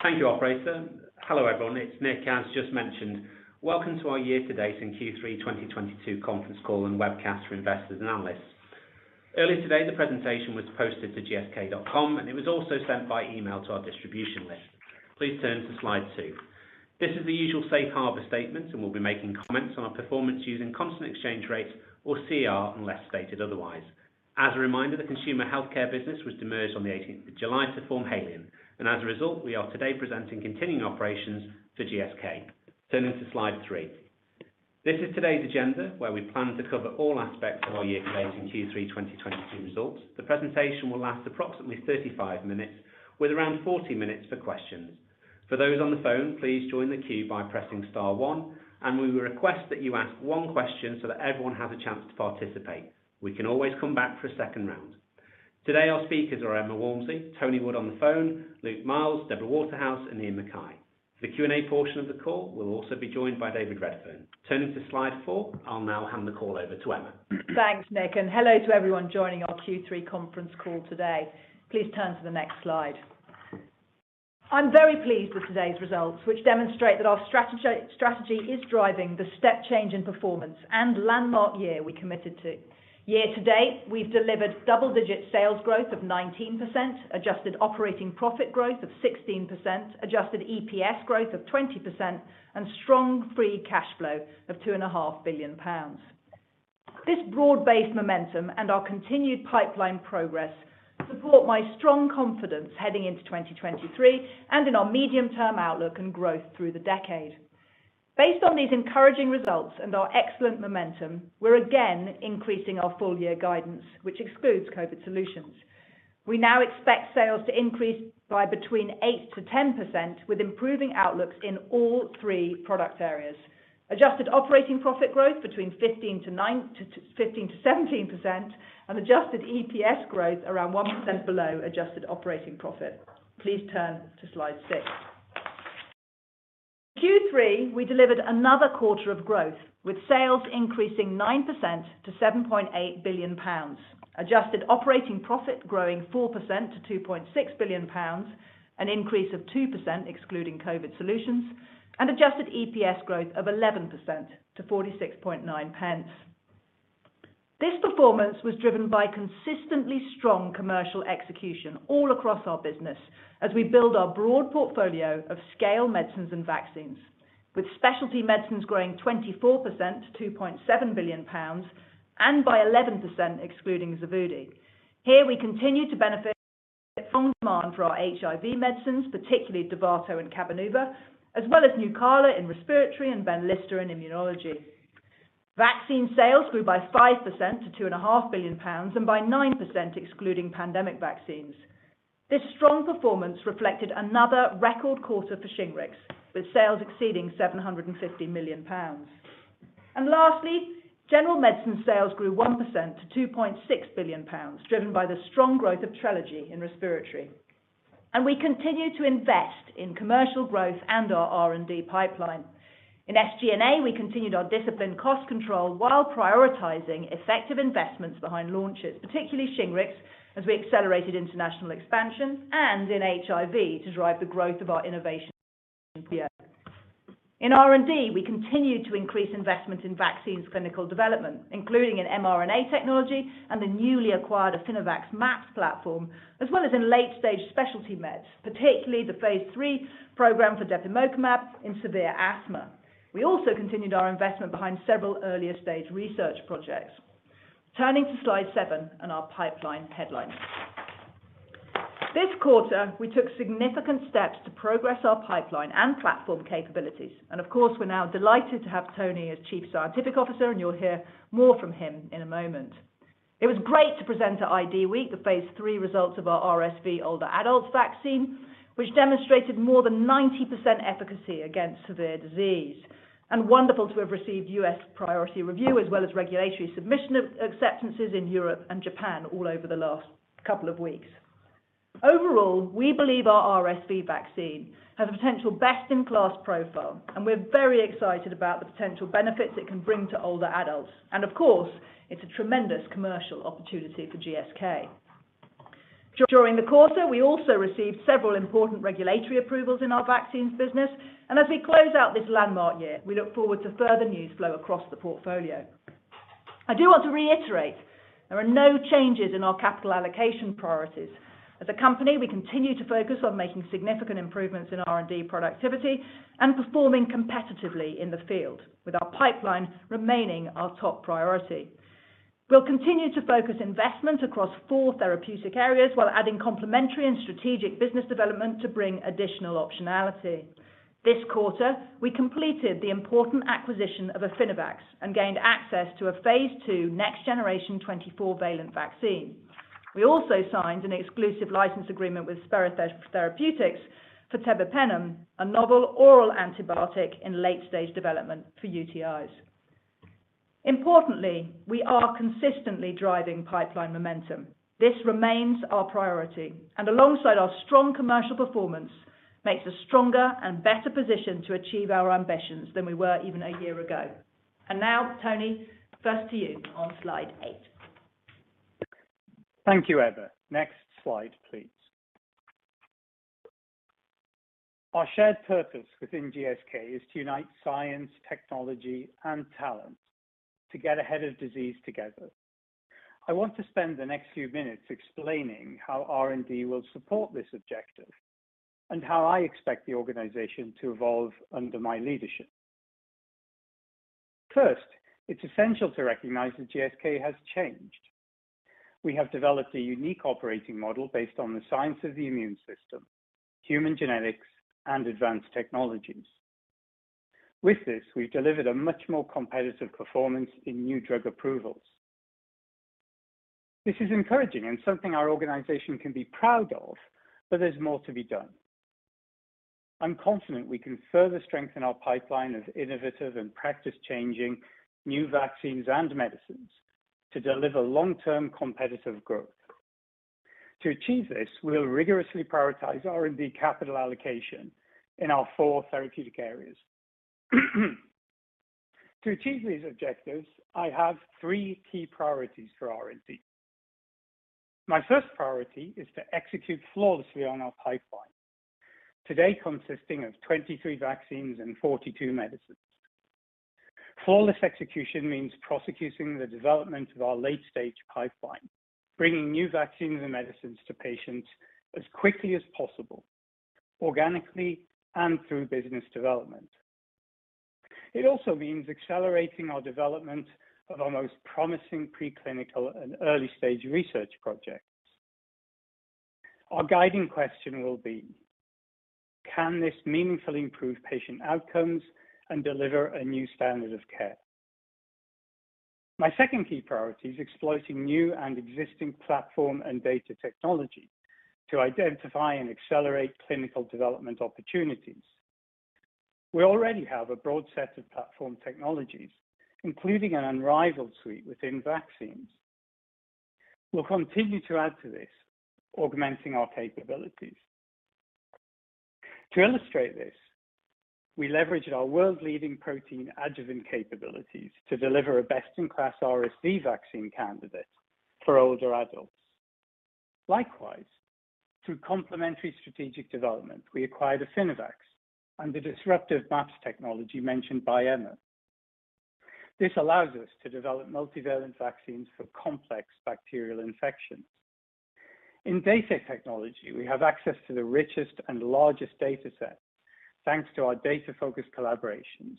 Thank you, operator. Hello, everyone. It's Nick, as just mentioned. Welcome to our year-to-date in Q3 2022 conference call and webcast for investors and analysts. Earlier today, the presentation was posted to gsk.com, and it was also sent by email to our distribution list. Please turn to slide two. This is the usual safe harbor statement, and we'll be making comments on our performance using constant exchange rates or CER, unless stated otherwise. As a reminder, the consumer health care business was demerged on the 18th of July to form Haleon. As a result, we are today presenting continuing operations for GSK. Turning to slide three. This is today's agenda, where we plan to cover all aspects of our year-to-date in Q3 2022 results. The presentation will last approximately 35 minutes, with around 40 minutes for questions. For those on the phone, please join the queue by pressing star one, and we request that you ask one question so that everyone has a chance to participate. We can always come back for a second round. Today, our speakers are Emma Walmsley, Tony Wood on the phone, Luke Miels, Deborah Waterhouse, and Iain Mackay. The Q&A portion of the call will also be joined by David Redfern. Turning to slide four, I'll now hand the call over to Emma. Thanks, Nick, and hello to everyone joining our Q3 conference call today. Please turn to the next slide. I'm very pleased with today's results, which demonstrate that our strategy is driving the step change in performance and landmark year we committed to. Year to date, we've delivered double-digit sales growth of 19%, adjusted operating profit growth of 16%, adjusted EPS growth of 20%, and strong free cash flow of 2.5 billion pounds. This broad-based momentum and our continued pipeline progress support my strong confidence heading into 2023 and in our medium-term outlook and growth through the decade. Based on these encouraging results and our excellent momentum, we're again increasing our full-year guidance, which excludes COVID solutions. We now expect sales to increase by between 8%-10%, with improving outlooks in all three product areas. Adjusted operating profit growth between 15%-17%, and adjusted EPS growth around 1% below adjusted operating profit. Please turn to slide six. Q3, we delivered another quarter of growth, with sales increasing 9% to 7.8 billion pounds. Adjusted operating profit growing 4% to 2.6 billion pounds, an increase of 2% excluding COVID solutions, and adjusted EPS growth of 11% to 0.469. This performance was driven by consistently strong commercial execution all across our business as we build our broad portfolio of scale medicines and vaccines, with specialty medicines growing 24% to 2.7 billion pounds and by 11% excluding Xevudy. Here we continue to benefit from demand for our HIV medicines, particularly Dovato and Cabenuva, as well as Nucala in respiratory and Benlysta in immunology. Vaccine sales grew by 5% to 2.5 billion pounds and by 9% excluding pandemic vaccines. This strong performance reflected another record quarter for Shingrix, with sales exceeding 750 million pounds. Lastly, general medicine sales grew 1% to 2.6 billion pounds, driven by the strong growth of Trelegy in respiratory. We continue to invest in commercial growth and our R&D pipeline. In SG&A, we continued our disciplined cost control while prioritizing effective investments behind launches, particularly Shingrix, as we accelerated international expansion and in HIV to drive the growth of our innovation. In R&D, we continued to increase investment in vaccines clinical development, including in mRNA technology and the newly acquired Affinivax MAPS platform, as well as in late-stage specialty meds, particularly the phase III program for depemokimab in severe asthma. We also continued our investment behind several earlier-stage research projects. Turning to slide seven and our pipeline headlines. This quarter, we took significant steps to progress our pipeline and platform capabilities. Of course, we're now delighted to have Tony as Chief Scientific Officer, and you'll hear more from him in a moment. It was great to present at IDWeek the phase III results of our RSV older adults vaccine, which demonstrated more than 90% efficacy against severe disease. Wonderful to have received U.S. Priority Review as well as regulatory submission acceptances in Europe and Japan all over the last couple of weeks. Overall, we believe our RSV vaccine has a potential best-in-class profile, and we're very excited about the potential benefits it can bring to older adults. Of course, it's a tremendous commercial opportunity for GSK. During the quarter, we also received several important regulatory approvals in our vaccines business. As we close out this landmark year, we look forward to further news flow across the portfolio. I do want to reiterate there are no changes in our capital allocation priorities. As a company, we continue to focus on making significant improvements in R&D productivity and performing competitively in the field, with our pipeline remaining our top priority. We'll continue to focus investment across four therapeutic areas while adding complementary and strategic business development to bring additional optionality. This quarter, we completed the important acquisition of Affinivax and gained access to a phase II next-generation 24-valent vaccine. We also signed an exclusive license agreement with Spero Therapeutics for tebipenem, a novel oral antibiotic in late-stage development for UTIs. Importantly, we are consistently driving pipeline momentum. This remains our priority, and alongside our strong commercial performance, makes us stronger and better positioned to achieve our ambitions than we were even a year ago. Now, Tony, first to you on slide eight. Thank you, Emma. Next slide, please. Our shared purpose within GSK is to unite science, technology, and talent to get ahead of disease together. I want to spend the next few minutes explaining how R&D will support this objective and how I expect the organization to evolve under my leadership. First, it's essential to recognize that GSK has changed. We have developed a unique operating model based on the science of the immune system, human genetics, and advanced technologies. With this, we've delivered a much more competitive performance in new drug approvals. This is encouraging and something our organization can be proud of, but there's more to be done. I'm confident we can further strengthen our pipeline of innovative and practice-changing new vaccines and medicines to deliver long-term competitive growth. To achieve this, we'll rigorously prioritize R&D capital allocation in our four therapeutic areas. To achieve these objectives, I have three key priorities for R&D. My first priority is to execute flawlessly on our pipeline, today consisting of 23 vaccines and 42 medicines. Flawless execution means prosecuting the development of our late-stage pipeline, bringing new vaccines and medicines to patients as quickly as possible, organically and through business development. It also means accelerating our development of our most promising preclinical and early-stage research projects. Our guiding question will be, can this meaningfully improve patient outcomes and deliver a new standard of care? My second key priority is exploiting new and existing platform and data technology to identify and accelerate clinical development opportunities. We already have a broad set of platform technologies, including an unrivaled suite within vaccines. We'll continue to add to this, augmenting our capabilities. To illustrate this, we leveraged our world-leading protein adjuvant capabilities to deliver a best-in-class RSV vaccine candidate for older adults. Likewise, through complementary strategic development, we acquired Affinivax and the disruptive MAPS technology mentioned by Emma. This allows us to develop multivalent vaccines for complex bacterial infections. In data technology, we have access to the richest and largest data set thanks to our data-focused collaborations,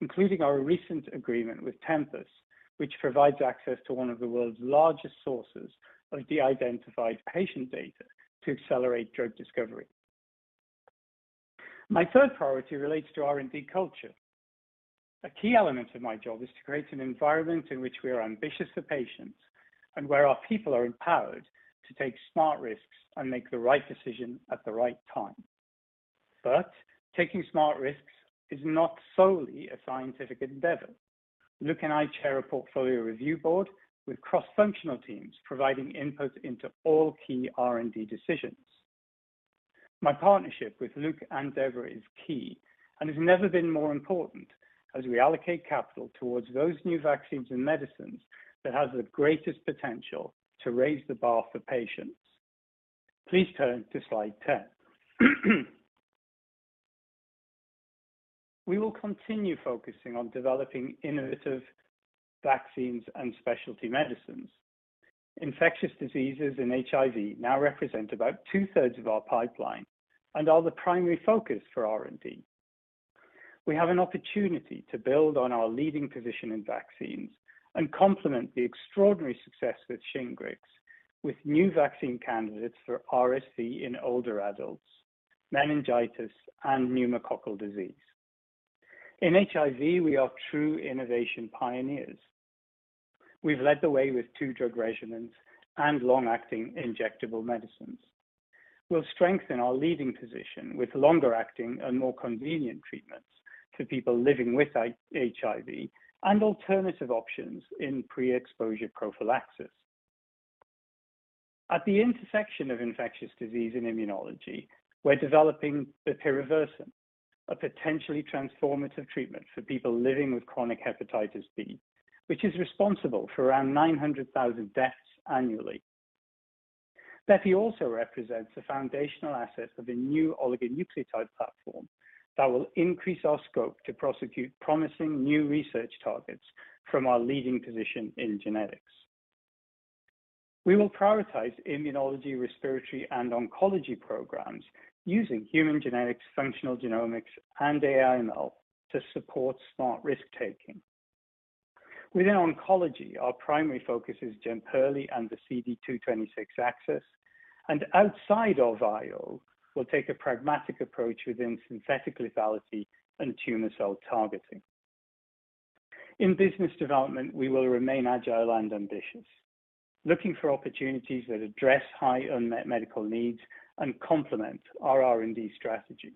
including our recent agreement with Tempus, which provides access to one of the world's largest sources of de-identified patient data to accelerate drug discovery. My third priority relates to R&D culture. A key element of my job is to create an environment in which we are ambitious for patients and where our people are empowered to take smart risks and make the right decision at the right time. Taking smart risks is not solely a scientific endeavor. Luke and I chair a portfolio review board with cross-functional teams providing input into all key R&D decisions. My partnership with Luke and Deborah is key and has never been more important as we allocate capital towards those new vaccines and medicines that have the greatest potential to raise the bar for patients. Please turn to slide 10. We will continue focusing on developing innovative vaccines and specialty medicines. Infectious diseases and HIV now represent about two-thirds of our pipeline and are the primary focus for R&D. We have an opportunity to build on our leading position in vaccines and complement the extraordinary success with Shingrix with new vaccine candidates for RSV in older adults, meningitis, and pneumococcal disease. In HIV, we are true innovation pioneers. We've led the way with two drug regimens and long-acting injectable medicines. We'll strengthen our leading position with longer-acting and more convenient treatments to people living with HIV and alternative options in pre-exposure prophylaxis. At the intersection of infectious disease and immunology, we're developing bepirovirsen, a potentially transformative treatment for people living with chronic hepatitis B, which is responsible for around 900,000 deaths annually. Bepi also represents the foundational asset of a new oligonucleotide platform that will increase our scope to prosecute promising new research targets from our leading position in genetics. We will prioritize immunology, respiratory, and oncology programs using human genetics, functional genomics, and AI/ML to support smart risk-taking. Within oncology, our primary focus is Jemperli and the CD226 axis. Outside of IO, we'll take a pragmatic approach within synthetic lethality and tumor cell targeting. In business development, we will remain agile and ambitious, looking for opportunities that address high unmet medical needs and complement our R&D strategy.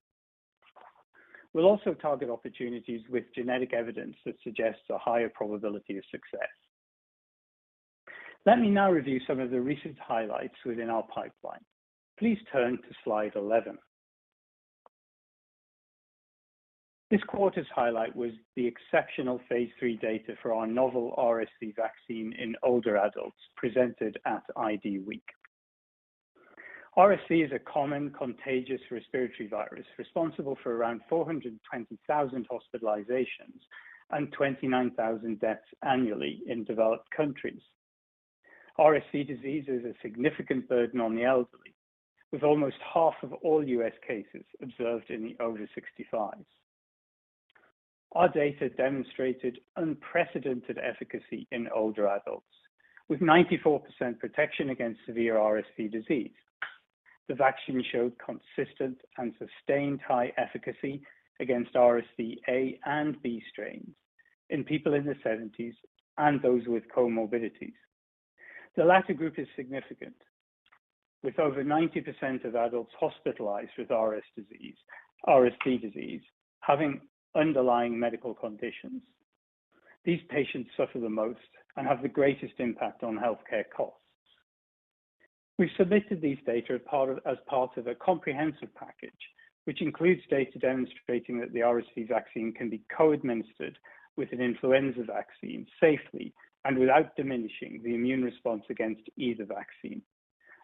We'll also target opportunities with genetic evidence that suggests a higher probability of success. Let me now review some of the recent highlights within our pipeline. Please turn to slide 11. This quarter's highlight was the exceptional phase III data for our novel RSV vaccine in older adults presented at IDWeek. RSV is a common contagious respiratory virus responsible for around 420,000 hospitalizations and 29,000 deaths annually in developed countries. RSV disease is a significant burden on the elderly, with almost half of all U.S. cases observed in the over 65s. Our data demonstrated unprecedented efficacy in older adults, with 94% protection against severe RSV disease. The vaccine showed consistent and sustained high efficacy against RSV A and B strains in people in their seventies and those with comorbidities. The latter group is significant, with over 90% of adults hospitalized with RSV disease having underlying medical conditions. These patients suffer the most and have the greatest impact on healthcare costs. We've submitted these data as part of a comprehensive package, which includes data demonstrating that the RSV vaccine can be co-administered with an influenza vaccine safely and without diminishing the immune response against either vaccine,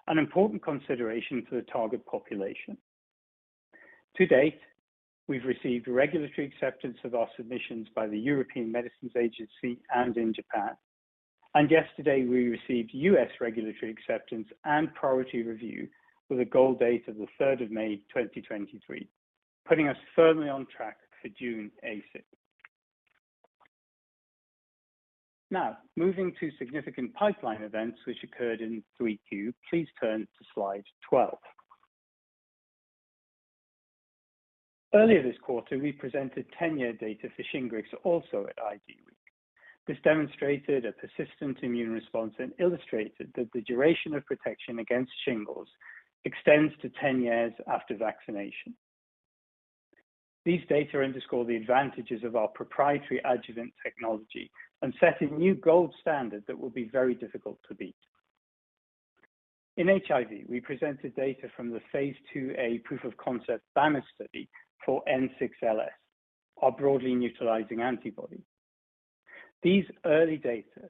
an important consideration for the target population. To date, we've received regulatory acceptance of our submissions by the European Medicines Agency and in Japan. Yesterday, we received U.S. regulatory acceptance and Priority Review with a goal date of May 3, 2023, putting us firmly on track for June ACIP. Now, moving to significant pipeline events which occurred in 3Q, please turn to slide 12. Earlier this quarter, we presented 10-year data for Shingrix also at IDWeek. This demonstrated a persistent immune response and illustrated that the duration of protection against shingles extends to 10 years after vaccination. These data underscore the advantages of our proprietary adjuvant technology and set a new gold standard that will be very difficult to beat. In HIV, we presented data from the phase IIa proof of concept bNAb study for N6LS, our broadly neutralizing antibody. These early data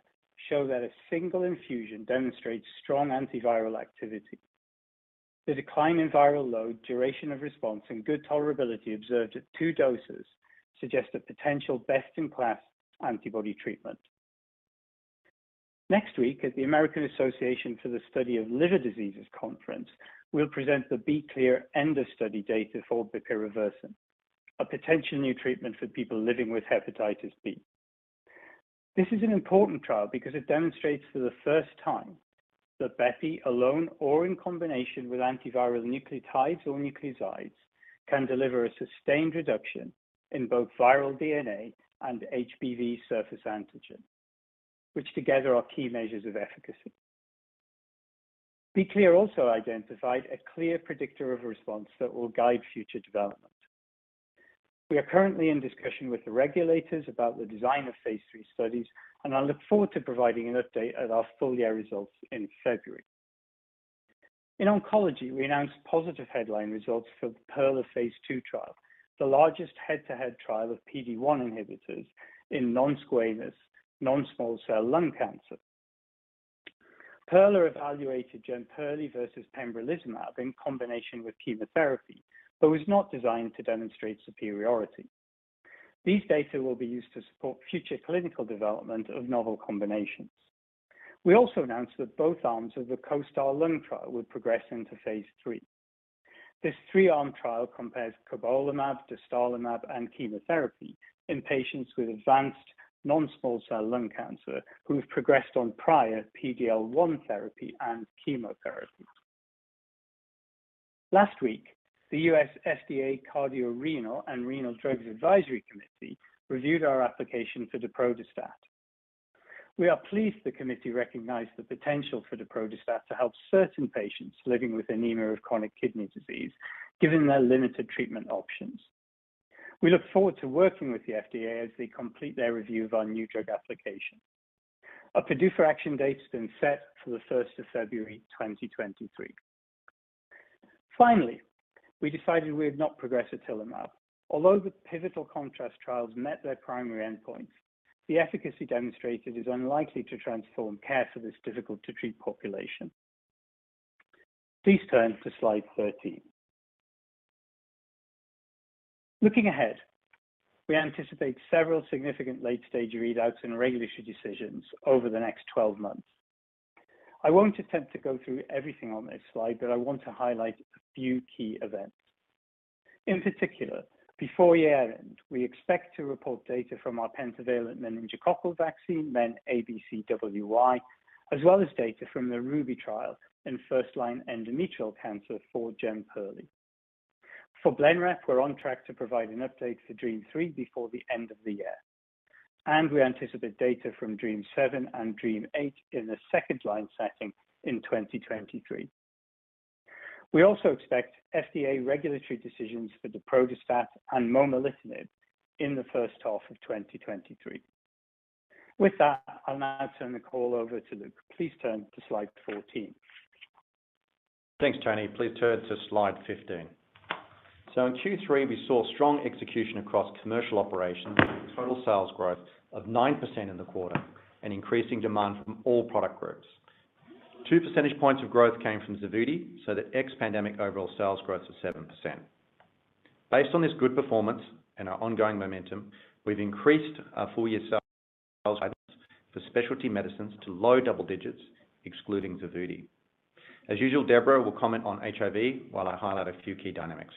show that a single infusion demonstrates strong antiviral activity. The decline in viral load, duration of response, and good tolerability observed at two doses suggest a potential best-in-class antibody treatment. Next week, at the American Association for the Study of Liver Diseases Conference, we'll present the B-Clear end of study data for bepirovirsen, a potential new treatment for people living with hepatitis B. This is an important trial because it demonstrates for the first time that Bepi alone or in combination with antiviral nucleotides or nucleosides can deliver a sustained reduction in both viral DNA and HBV surface antigen, which together are key measures of efficacy. B-Clear also identified a clear predictor of response that will guide future development. We are currently in discussion with the regulators about the design of phase III studies, and I look forward to providing an update at our full year results in February. In oncology, we announced positive headline results for the PERLA phase II trial, the largest head-to-head trial of PD-1 inhibitors in non-squamous, non-small cell lung cancer. PERLA evaluated Jemperli versus pembrolizumab in combination with chemotherapy, but was not designed to demonstrate superiority. These data will be used to support future clinical development of novel combinations. We also announced that both arms of the COSTAR Lung trial would progress into phase III. This 3-arm trial compares cobolimab, dostarlimab, and chemotherapy in patients with advanced non-small cell lung cancer who've progressed on prior PD-1 therapy and chemotherapy. Last week, the U.S. FDA Cardiovascular and Renal Drugs Advisory Committee reviewed our application for daprodustat. We are pleased the committee recognized the potential for daprodustat to help certain patients living with anemia of chronic kidney disease, given their limited treatment options. We look forward to working with the FDA as they complete their review of our new drug application. A PDUFA action date has been set for the February 1st 2023. Finally, we decided we would not progress otilimab. Although the pivotal ContRAst trials met their primary endpoints, the efficacy demonstrated is unlikely to transform care for this difficult-to-treat population. Please turn to slide 13. Looking ahead, we anticipate several significant late-stage readouts and regulatory decisions over the next 12 months. I won't attempt to go through everything on this slide, but I want to highlight a few key events. In particular, before year-end, we expect to report data from our pentavalent meningococcal vaccine, MenABCWY, as well as data from the RUBY trial in first-line endometrial cancer for Jemperli. For Blenrep, we're on track to provide an update for DREAMM-3 before the end of the year, and we anticipate data from DREAMM-7 and DREAMM-8 in the second-line setting in 2023. We also expect FDA regulatory decisions for daprodustat and momelotinib in the first half of 2023. With that, I'll now turn the call over to Luke. Please turn to slide 14. Thanks, Tony. Please turn to slide 15. In Q3, we saw strong execution across commercial operations with total sales growth of 9% in the quarter and increasing demand from all product groups. Two percentage points of growth came from Xevudy, so that ex-pandemic overall sales growth is 7%. Based on this good performance and our ongoing momentum, we've increased our full-year sales guidance for specialty medicines to low double digits, excluding Xevudy. As usual, Deborah will comment on HIV while I highlight a few key dynamics.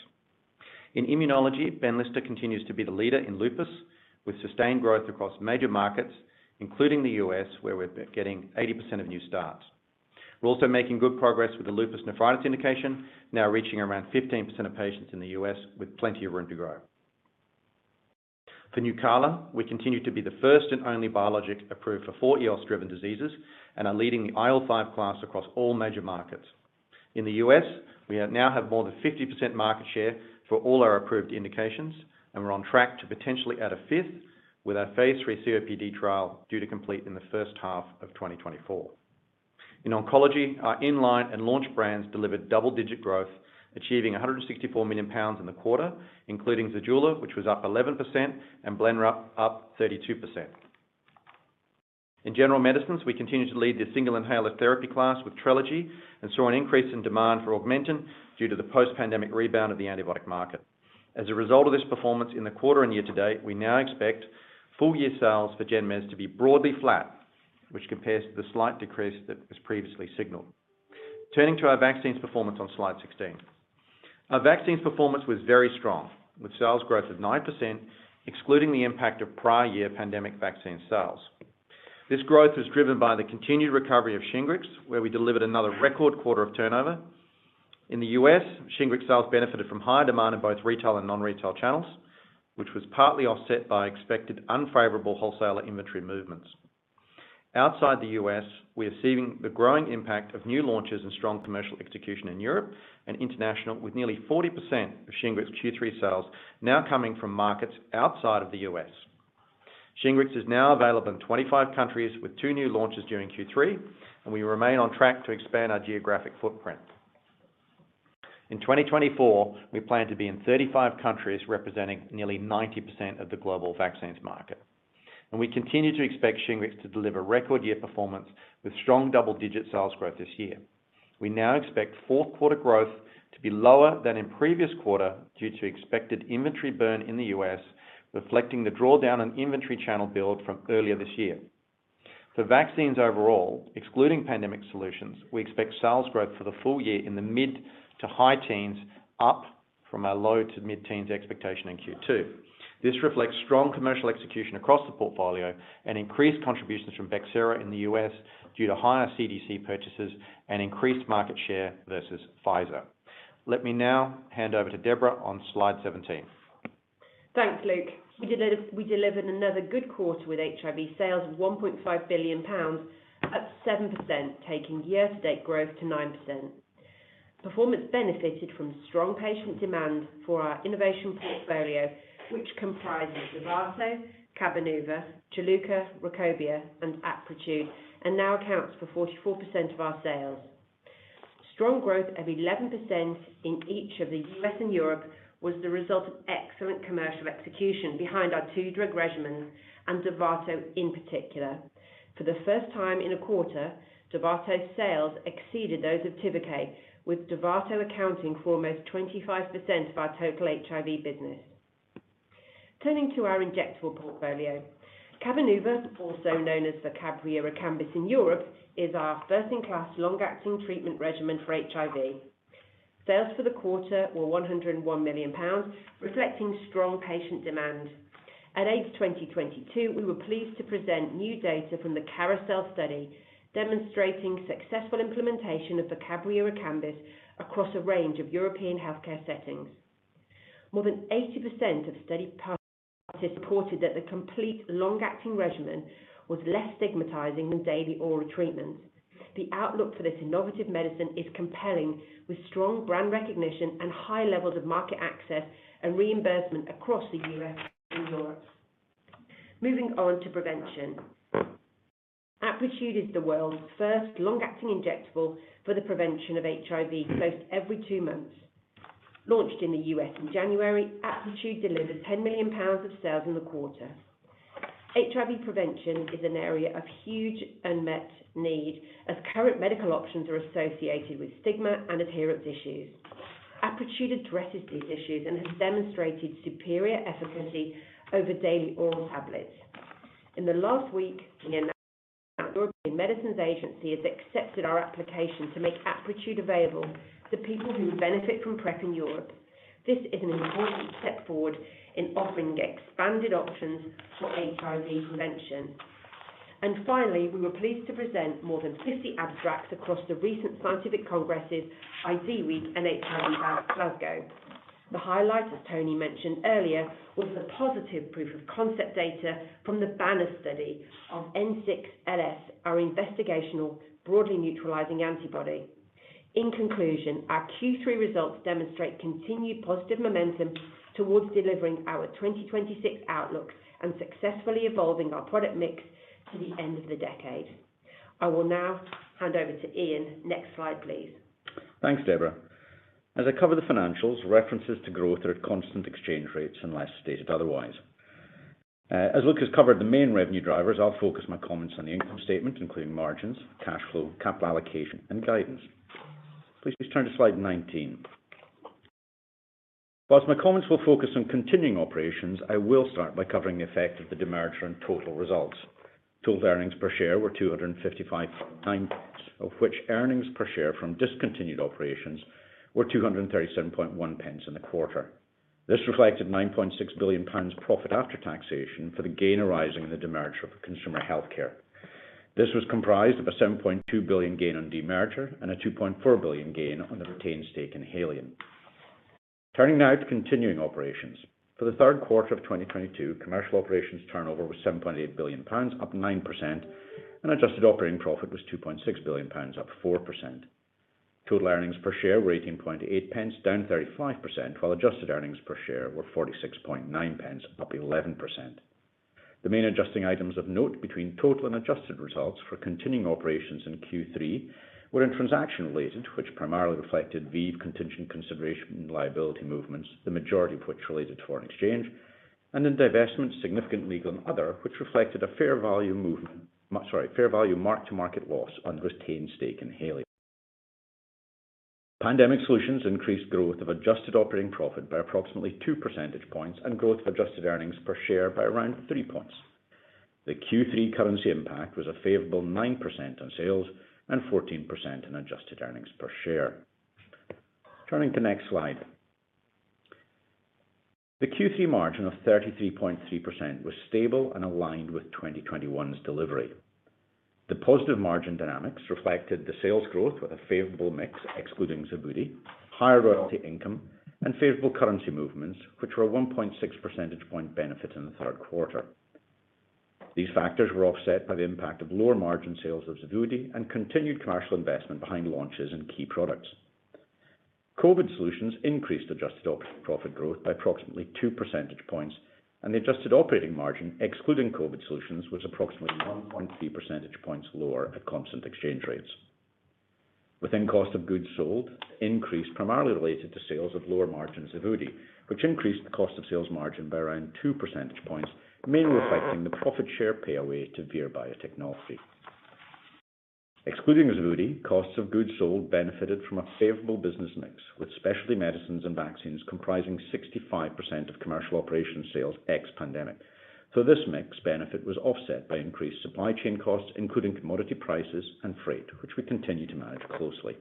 In immunology, Benlysta continues to be the leader in lupus, with sustained growth across major markets, including the U.S., where we're getting 80% of new starts. We're also making good progress with the lupus nephritis indication, now reaching around 15% of patients in the U.S. with plenty of room to grow. For Nucala, we continue to be the first and only biologic approved for four eosinophil-driven diseases and are leading the IL-5 class across all major markets. In the U.S., we now have more than 50% market share for all our approved indications, and we're on track to potentially add a fifth with our phase III COPD trial due to complete in the first half of 2024. In oncology, our in-line and launch brands delivered double-digit growth, achieving 164 million pounds in the quarter, including Zejula, which was up 11%, and Blenrep up 32%. In general medicines, we continue to lead the single inhaler therapy class with Trelegy and saw an increase in demand for Augmentin due to the post-pandemic rebound of the antibiotic market. As a result of this performance in the quarter and year to date, we now expect full-year sales for Gen Meds to be broadly flat, which compares to the slight decrease that was previously signaled. Turning to our vaccines performance on slide 16. Our vaccines performance was very strong, with sales growth of 9%, excluding the impact of prior year pandemic vaccine sales. This growth is driven by the continued recovery of Shingrix, where we delivered another record quarter of turnover. In the U.S., Shingrix sales benefited from higher demand in both retail and non-retail channels, which was partly offset by expected unfavorable wholesaler inventory movements. Outside the U.S., we are seeing the growing impact of new launches and strong commercial execution in Europe and international, with nearly 40% of Shingrix Q3 sales now coming from markets outside of the U.S. Shingrix is now available in 25 countries with two new launches during Q3, and we remain on track to expand our geographic footprint. In 2024, we plan to be in 35 countries representing nearly 90% of the global vaccines market. We continue to expect Shingrix to deliver record year performance with strong double-digit sales growth this year. We now expect fourth quarter growth to be lower than in previous quarter due to expected inventory burn in the U.S., reflecting the drawdown on inventory channel build from earlier this year. For vaccines overall, excluding pandemic solutions, we expect sales growth for the full year in the mid- to high teens, up from our low- to mid-teens expectation in Q2. This reflects strong commercial execution across the portfolio and increased contributions from Bexsero in the U.S. due to higher CDC purchases and increased market share versus Pfizer. Let me now hand over to Deborah on slide 17. Thanks, Luke. We delivered another good quarter with HIV sales of 1.5 billion pounds, up 7%, taking year-to-date growth to 9%. Performance benefited from strong patient demand for our innovation portfolio, which comprises Dovato, Cabenuva, Juluca, Rukobia, and Apretude, and now accounts for 44% of our sales. Strong growth of 11% in each of the U.S. and Europe was the result of excellent commercial execution behind our two-drug regimens and Dovato in particular. For the first time in a quarter, Dovato's sales exceeded those of Tivicay, with Dovato accounting for almost 25% of our total HIV business. Turning to our injectable portfolio. Cabenuva, also known as Rekambys in Europe, is our first-in-class long-acting treatment regimen for HIV. Sales for the quarter were 101 million pounds, reflecting strong patient demand. At AIDS 2022, we were pleased to present new data from the CARISEL study, demonstrating successful implementation of the Cabenuva Rekambys across a range of European healthcare settings. More than 80% of study participants reported that the complete long-acting regimen was less stigmatizing than daily oral treatment. The outlook for this innovative medicine is compelling, with strong brand recognition and high levels of market access and reimbursement across the U.S. and Europe. Moving on to prevention. Apretude is the world's first long-acting injectable for the prevention of HIV, dosed every two months. Launched in the U.S. in January, Apretude delivered 10 million pounds of sales in the quarter. HIV prevention is an area of huge unmet need as current medical options are associated with stigma and adherence issues. Apretude addresses these issues and has demonstrated superior efficacy over daily oral tablets. In the last week, the European Medicines Agency has accepted our application to make Apretude available to people who benefit from PrEP in Europe. This is an important step forward in offering expanded options for HIV prevention. Finally, we were pleased to present more than 50 abstracts across the recent scientific congresses, IDWeek and HIV Glasgow. The highlight, as Tony mentioned earlier, was the positive proof of concept data from the bNAb study of N6LS, our investigational broadly neutralizing antibody. In conclusion. Our Q3 results demonstrate continued positive momentum towards delivering our 2026 outlook and successfully evolving our product mix to the end of the decade. I will now hand over to Iain. Next slide, please. Thanks, Deborah. As I cover the financials, references to growth are at constant exchange rates unless stated otherwise. As Luke has covered the main revenue drivers, I'll focus my comments on the income statement, including margins, cash flow, capital allocation, and guidance. Please turn to slide 19. While my comments will focus on continuing operations, I will start by covering the effect of the demerger and total results. Total earnings per share were 255.9 pounds, of which earnings per share from discontinued operations were 237.1 in the quarter. This reflected 9.6 billion pounds profit after taxation for the gain arising in the demerger of consumer healthcare. This was comprised of a 7.2 billion gain on demerger and a 2.4 billion gain on the retained stake in Haleon. Turning now to continuing operations. For the third quarter of 2022, commercial operations turnover was 7.8 billion pounds, up 9%, and adjusted operating profit was 2.6 billion pounds, up 4%. Total earnings per share were 18.8, down 35%, while adjusted earnings per share were 46.9, up 11%. The main adjusting items of note between total and adjusted results for continuing operations in Q3 were in transaction related, which primarily reflected ViiV contingent consideration and liability movements, the majority of which related to foreign exchange, and in divestment, significant legal and other, which reflected a fair value mark-to-market loss on retained stake in Haleon. Pandemic solutions increased growth of adjusted operating profit by approximately two percentage points and growth of adjusted earnings per share by around three points. The Q3 currency impact was a favorable 9% on sales and 14% in adjusted earnings per share. Turning to next slide. The Q3 margin of 33.3% was stable and aligned with 2021's delivery. The positive margin dynamics reflected the sales growth with a favorable mix excluding Xevudy, higher royalty income, and favorable currency movements, which were 1.6 percentage point benefit in the third quarter. These factors were offset by the impact of lower margin sales of Xevudy and continued commercial investment behind launches in key products. COVID solutions increased adjusted operating profit growth by approximately 2 percentage points, and the adjusted operating margin, excluding COVID solutions, was approximately 1.3 percentage points lower at constant exchange rates. Cost of goods sold increased primarily related to sales of lower margin Xevudy, which increased the cost of sales margin by around 2 percentage points, mainly reflecting the profit share pay away to Vir Biotechnology. Excluding Xevudy, cost of goods sold benefited from a favorable business mix, with specialty medicines and vaccines comprising 65% of commercial operations sales ex-pandemic. This mix benefit was offset by increased supply chain costs, including commodity prices and freight, which we continue to manage closely.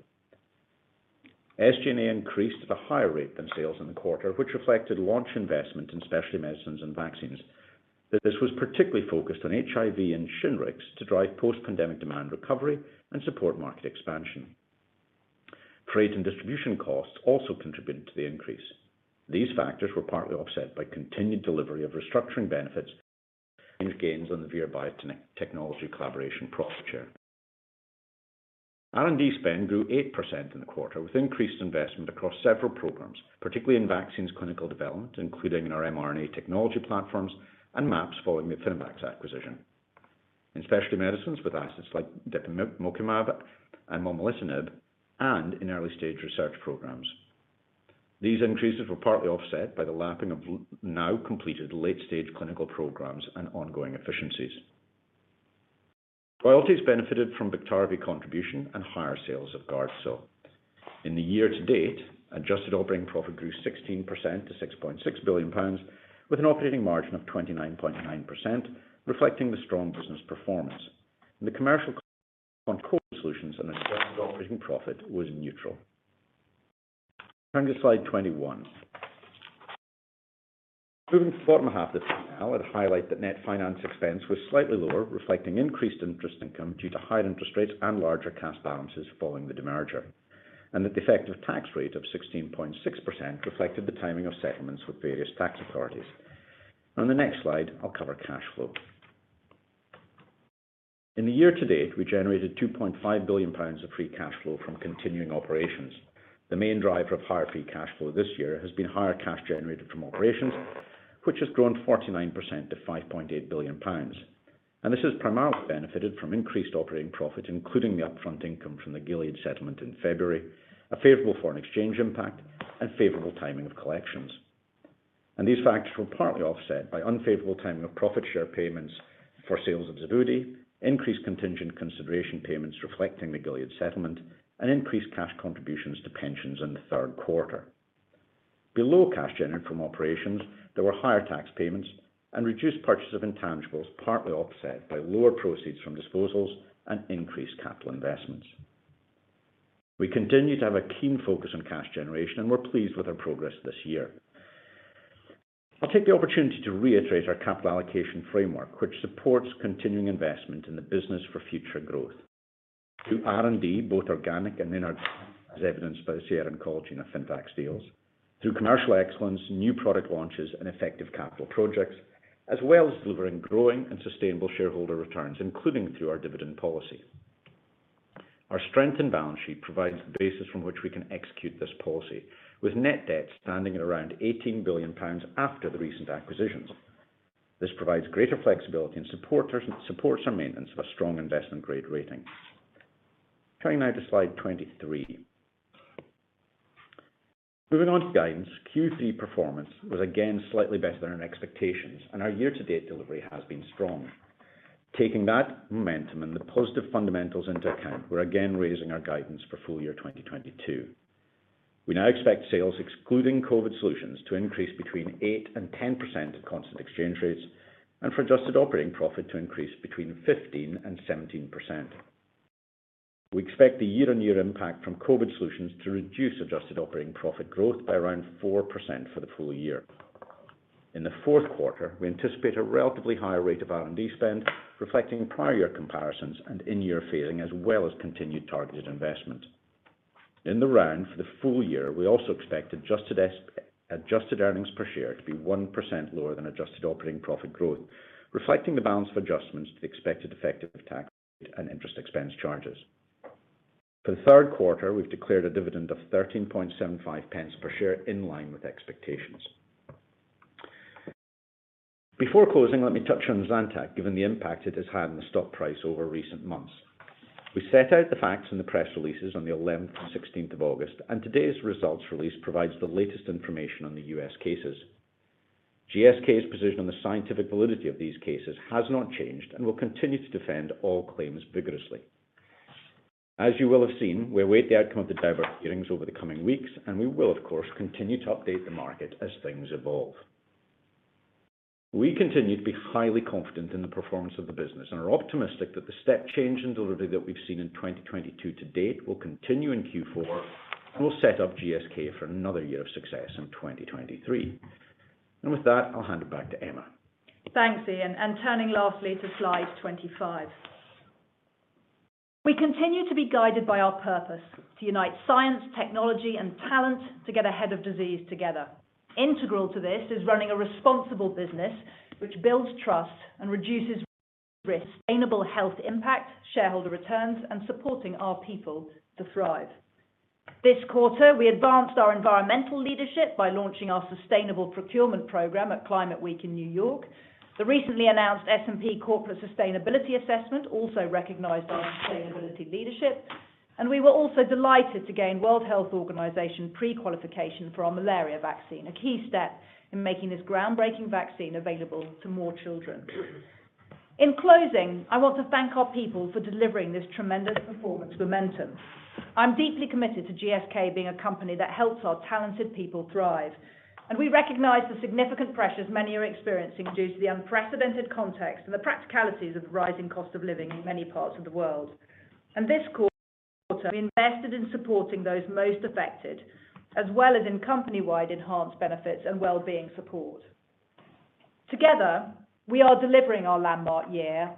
SG&A increased at a higher rate than sales in the quarter, which reflected launch investment in specialty medicines and vaccines. This was particularly focused on HIV and Shingrix to drive post-pandemic demand recovery and support market expansion. Freight and distribution costs also contributed to the increase. These factors were partly offset by continued delivery of restructuring benefits and gains on the Vir Biotechnology collaboration profit share. R&D spend grew 8% in the quarter, with increased investment across several programs, particularly in vaccines clinical development, including in our mRNA technology platforms and MAPS following the Affinivax acquisition. In specialty medicines with assets like depemokimab and momelotinib, and in early stage research programs. These increases were partly offset by the lapping of now completed late-stage clinical programs and ongoing efficiencies. Royalties benefited from Biktarvy contribution and higher sales of Gardasil. In the year-to-date, adjusted operating profit grew 16% to 6.6 billion pounds, with an operating margin of 29.9%, reflecting the strong business performance. The contribution from COVID solutions and adjusted operating profit was neutral. Turning to slide 21. Moving to the bottom half of the P&L, I'd highlight that net finance expense was slightly lower, reflecting increased interest income due to higher interest rates and larger cash balances following the demerger, and that the effective tax rate of 16.6% reflected the timing of settlements with various tax authorities. On the next slide, I'll cover cash flow. In the year-to-date, we generated 2.5 billion pounds of free cash flow from continuing operations. The main driver of higher free cash flow this year has been higher cash generated from operations, which has grown 49% to 5.8 billion pounds. This has primarily benefited from increased operating profit, including the upfront income from the Gilead settlement in February, a favorable foreign exchange impact, and favorable timing of collections. These factors were partly offset by unfavorable timing of profit share payments for sales of Xevudy, increased contingent consideration payments reflecting the Gilead settlement, and increased cash contributions to pensions in the third quarter. Below cash generated from operations, there were higher tax payments and reduced purchase of intangibles, partly offset by lower proceeds from disposals and increased capital investments. We continue to have a keen focus on cash generation, and we're pleased with our progress this year. I'll take the opportunity to reiterate our capital allocation framework, which supports continuing investment in the business for future growth. Through R&D, both organic and inorganic, as evidenced by the Sierra and Affinivax deals. Through commercial excellence, new product launches, and effective capital projects, as well as delivering growing and sustainable shareholder returns, including through our dividend policy. Our strength and balance sheet provides the basis from which we can execute this policy, with net debt standing at around 18 billion pounds after the recent acquisitions. This provides greater flexibility and supports our maintenance of a strong investment-grade rating. Coming now to slide 23. Moving on to guidance, Q3 performance was again slightly better than our expectations, and our year-to-date delivery has been strong. Taking that momentum and the positive fundamentals into account, we're again raising our guidance for full year 2022. We now expect sales excluding COVID solutions to increase between 8% and 10% at constant exchange rates, and for adjusted operating profit to increase between 15% and 17%. We expect the year-on-year impact from COVID solutions to reduce adjusted operating profit growth by around 4% for the full year. In the fourth quarter, we anticipate a relatively higher rate of R&D spend, reflecting prior year comparisons and in-year phasing as well as continued targeted investment. In the round for the full year, we also expect adjusted earnings per share to be 1% lower than adjusted operating profit growth, reflecting the balance of adjustments to the expected effective tax rate and interest expense charges. For the third quarter, we've declared a dividend of 13.75 per share in line with expectations. Before closing, let me touch on Zantac, given the impact it has had on the stock price over recent months. We set out the facts in the press releases on the eleventh and sixteenth of August, and today's results release provides the latest information on the U.S. cases. GSK's position on the scientific validity of these cases has not changed and will continue to defend all claims vigorously. As you will have seen, we await the outcome of the Daubert hearings over the coming weeks, and we will of course, continue to update the market as things evolve. We continue to be highly confident in the performance of the business and are optimistic that the step change in delivery that we've seen in 2022 to date will continue in Q4 and will set up GSK for another year of success in 2023. With that, I'll hand it back to Emma. Thanks, Iain. Turning lastly to slide 25. We continue to be guided by our purpose to unite science, technology, and talent to get ahead of disease together. Integral to this is running a responsible business which builds trust and reduces risk. Sustainable health impact, shareholder returns, and supporting our people to thrive. This quarter, we advanced our environmental leadership by launching our sustainable procurement program at Climate Week in New York. The recently announced S&P Global Corporate Sustainability Assessment also recognized our sustainability leadership, and we were also delighted to gain World Health Organization pre-qualification for our malaria vaccine, a key step in making this groundbreaking vaccine available to more children. In closing, I want to thank our people for delivering this tremendous performance momentum. I'm deeply committed to GSK being a company that helps our talented people thrive, and we recognize the significant pressures many are experiencing due to the unprecedented context and the practicalities of the rising cost of living in many parts of the world. This quarter, we invested in supporting those most affected, as well as in company-wide enhanced benefits and well-being support. Together, we are delivering our landmark year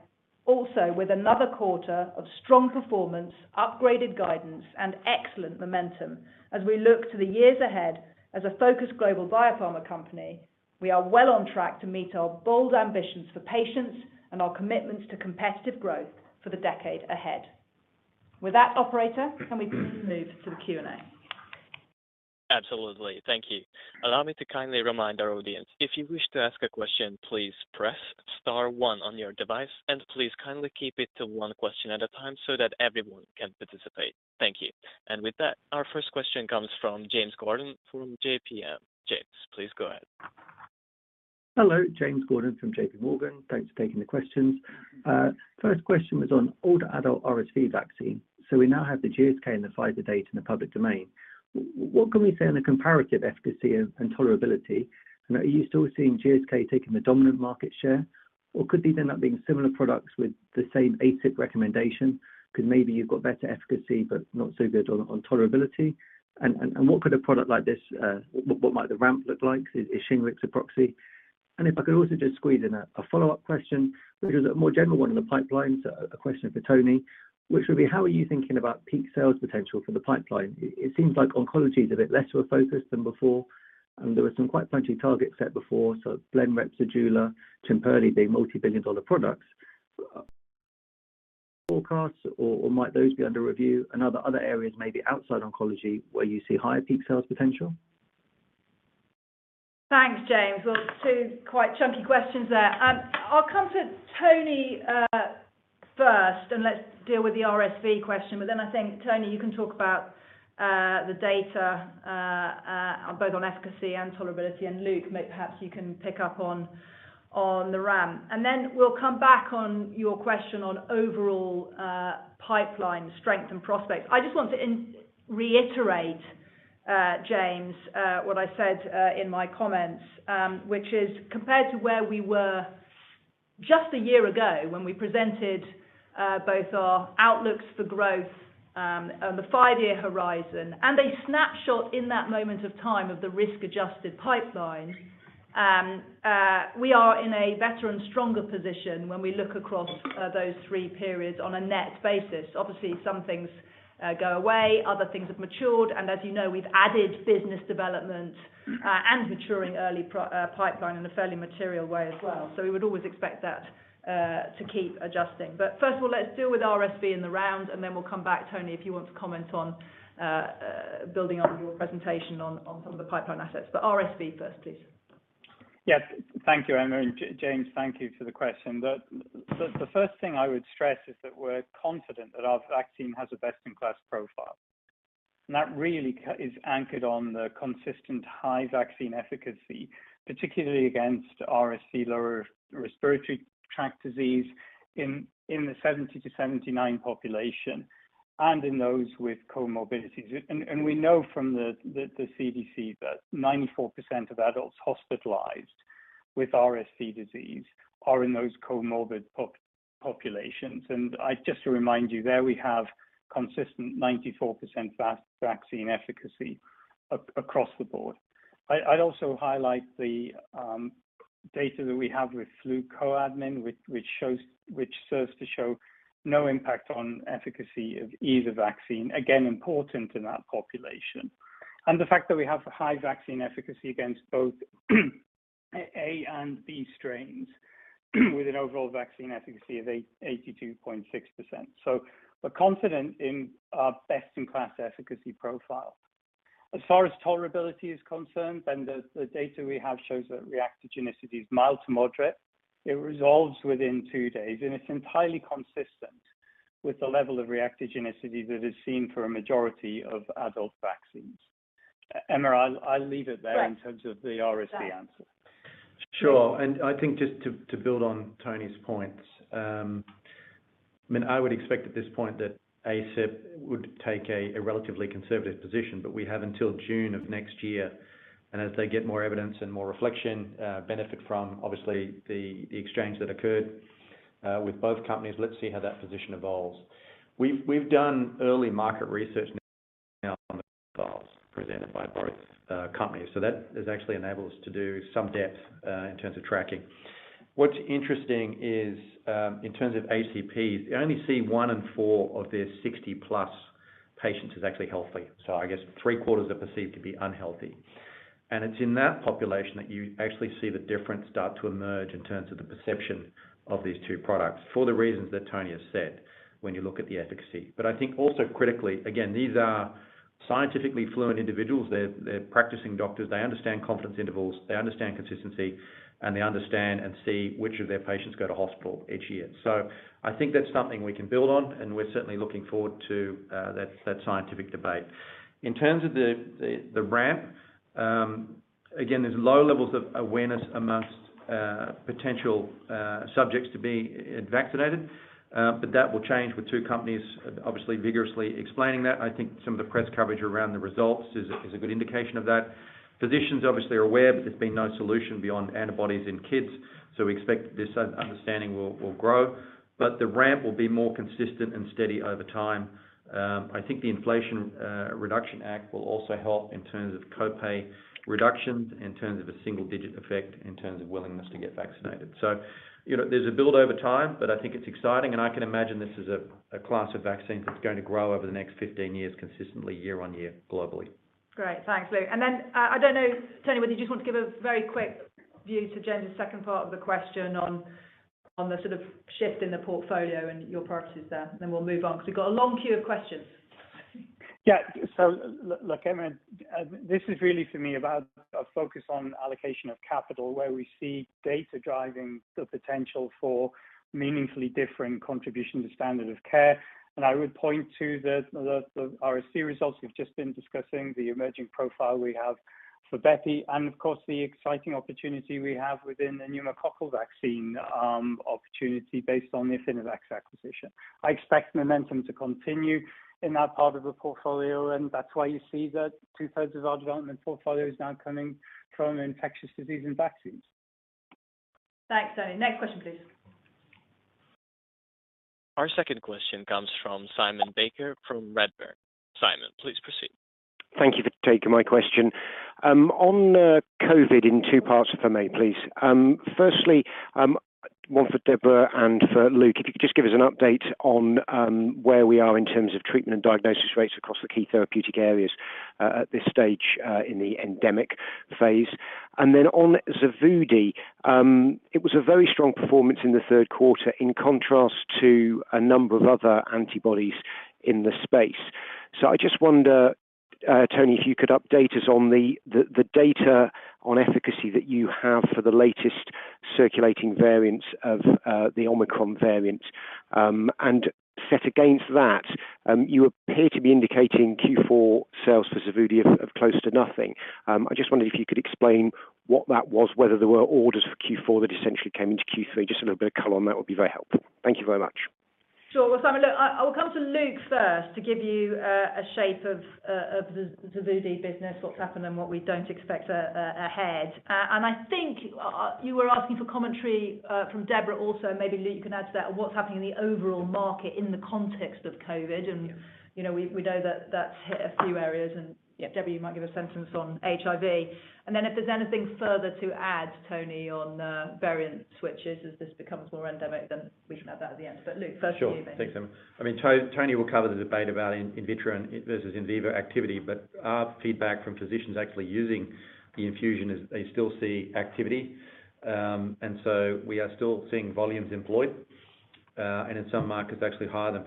also with another quarter of strong performance, upgraded guidance, and excellent momentum as we look to the years ahead as a focused global biopharma company, we are well on track to meet our bold ambitions for patients and our commitments to competitive growth for the decade ahead. With that, operator, can we please move to the Q&A? Absolutely. Thank you. Allow me to kindly remind our audience, if you wish to ask a question, please press star one on your device, and please kindly keep it to one question at a time so that everyone can participate. Thank you. With that, our first question comes from James Gordon from JPM. James, please go ahead. Hello. James Gordon from JPMorgan. Thanks for taking the questions. First question was on older adult RSV vaccine. We now have the GSK and the Pfizer data in the public domain. What can we say on the comparative efficacy and tolerability? Are you still seeing GSK taking the dominant market share? Or could they end up being similar products with the same ACIP recommendation because maybe you've got better efficacy but not so good on tolerability? And what could a product like this, what might the ramp look like? Is Shingrix a proxy? And if I could also just squeeze in a follow-up question, which is a more general one in the pipeline. A question for Tony, which would be how are you thinking about peak sales potential for the pipeline? It seems like oncology is a bit less of a focus than before, and there were some quite lofty targets set before. Blenrep, dostarlimab, cobolimab be multibillion-dollar products. Forecasts, or might those be under review? Are there other areas maybe outside oncology where you see higher peak sales potential? Thanks, James. Well, two quite chunky questions there. I'll come to Tony first, and let's deal with the RSV question. But then I think, Tony, you can talk about the data both on efficacy and tolerability. And Luke, may perhaps you can pick up on the ramp. And then we'll come back on your question on overall pipeline strength and prospects. I just want to reiterate, James, what I said in my comments, which is compared to where we were just a year ago when we presented both our outlooks for growth on the five-year horizon and a snapshot in that moment of time of the risk-adjusted pipeline. We are in a better and stronger position when we look across those three periods on a net basis. Obviously, some things go away, other things have matured. As you know, we've added business development and maturing early pipeline in a fairly material way as well. We would always expect that to keep adjusting. First of all, let's deal with RSV in the round, and then we'll come back, Tony, if you want to comment on building on your presentation on some of the pipeline assets. RSV first, please. Yes. Thank you, Emma, and James, thank you for the question. The first thing I would stress is that we're confident that our vaccine has a best-in-class profile. That really is anchored on the consistent high vaccine efficacy, particularly against RSV lower respiratory tract disease in the 70-79 population and in those with comorbidities. We know from the CDC that 94% of adults hospitalized with RSV disease are in those comorbid populations. Just to remind you there, we have consistent 94% vaccine efficacy across the board. I'd also highlight the data that we have with flu co-admin, which serves to show no impact on efficacy of either vaccine, again, important in that population. The fact that we have high vaccine efficacy against both A and B strains with an overall vaccine efficacy of 82.6%. We're confident in our best-in-class efficacy profile. As far as tolerability is concerned, the data we have shows that reactogenicity is mild to moderate. It resolves within two days, and it's entirely consistent with the level of reactogenicity that is seen for a majority of adult vaccines. Emma, I'll leave it there. Great. In terms of the RSV answer. Sure. Sure. I think just to build on Tony's points, I mean, I would expect at this point that ACIP would take a relatively conservative position, but we have until June of next year. As they get more evidence and more reflection, benefit from obviously the exchange that occurred with both companies, let's see how that position evolves. We've done early market research now on the vials presented by both companies. That has actually enabled us to do some depth in terms of tracking. What's interesting is, in terms of HCPs, they only see one in four of their 60+ patients as actually healthy. I guess three-quarters are perceived to be unhealthy. It's in that population that you actually see the difference start to emerge in terms of the perception of these two products for the reasons that Tony has said when you look at the efficacy. But I think also critically, again, these are scientifically fluent individuals. They're practicing doctors. They understand confidence intervals, they understand consistency, and they understand and see which of their patients go to hospital each year. I think that's something we can build on, and we're certainly looking forward to that scientific debate. In terms of the ramp, again, there's low levels of awareness amongst potential subjects to be vaccinated, but that will change with two companies obviously vigorously explaining that. I think some of the press coverage around the results is a good indication of that. Physicians obviously are aware, but there's been no solution beyond antibodies in kids, so we expect this understanding will grow. The ramp will be more consistent and steady over time. I think the Inflation Reduction Act will also help in terms of co-pay reductions, in terms of a single-digit effect, in terms of willingness to get vaccinated. You know, there's a build over time, but I think it's exciting, and I can imagine this is a class of vaccines that's going to grow over the next 15 years consistently year on year globally. Great. Thanks, Luke. Then, I don't know, Tony, whether you just want to give a very quick view to James second part of the question on the sort of shift in the portfolio and your priorities there, and then we'll move on because we've got a long queue of questions. Yeah. Look, Emma, this is really for me about a focus on allocation of capital, where we see data driving the potential for meaningfully different contribution to standard of care. I would point to the RSV results we've just been discussing, the emerging profile we have for Bepi, and of course, the exciting opportunity we have within the pneumococcal vaccine opportunity based on the Affinivax acquisition. I expect momentum to continue in that part of the portfolio, and that's why you see that two-thirds of our development portfolio is now coming from infectious disease and vaccines. Thanks, Tony. Next question, please. Our second question comes from Simon Baker from Redburn. Simon, please proceed. Thank you for taking my question. On COVID in two parts, if I may, please. Firstly, one for Deborah and for Luke. If you could just give us an update on where we are in terms of treatment and diagnosis rates across the key therapeutic areas at this stage in the endemic phase. On Xevudy, it was a very strong performance in the third quarter in contrast to a number of other antibodies in the space. I just wonder, Tony, if you could update us on the data on efficacy that you have for the latest circulating variants of the Omicron variant. Set against that, you appear to be indicating Q4 sales for Xevudy of close to nothing. I just wondered if you could explain what that was, whether there were orders for Q4 that essentially came into Q3. Just a little bit of color on that would be very helpful. Thank you very much. Sure. Well, Simon, look, I'll come to Luke first to give you a shape of the Xevudy business, what's happened and what we don't expect ahead. I think you were asking for commentary from Deborah also, maybe Luke, you can add to that on what's happening in the overall market in the context of COVID. You know, we know that that's hit a few areas. Yeah, Debbie, you might give a sentence on HIV. Then if there's anything further to add, Tony, on the variant switches as this becomes more endemic, then we can add that at the end. Luke, first to you then. Sure. Thanks, Emma. I mean, Tony will cover the debate about in vitro versus in vivo activity, but our feedback from physicians actually using the infusion is they still see activity. We are still seeing volumes employed, and in some markets actually higher than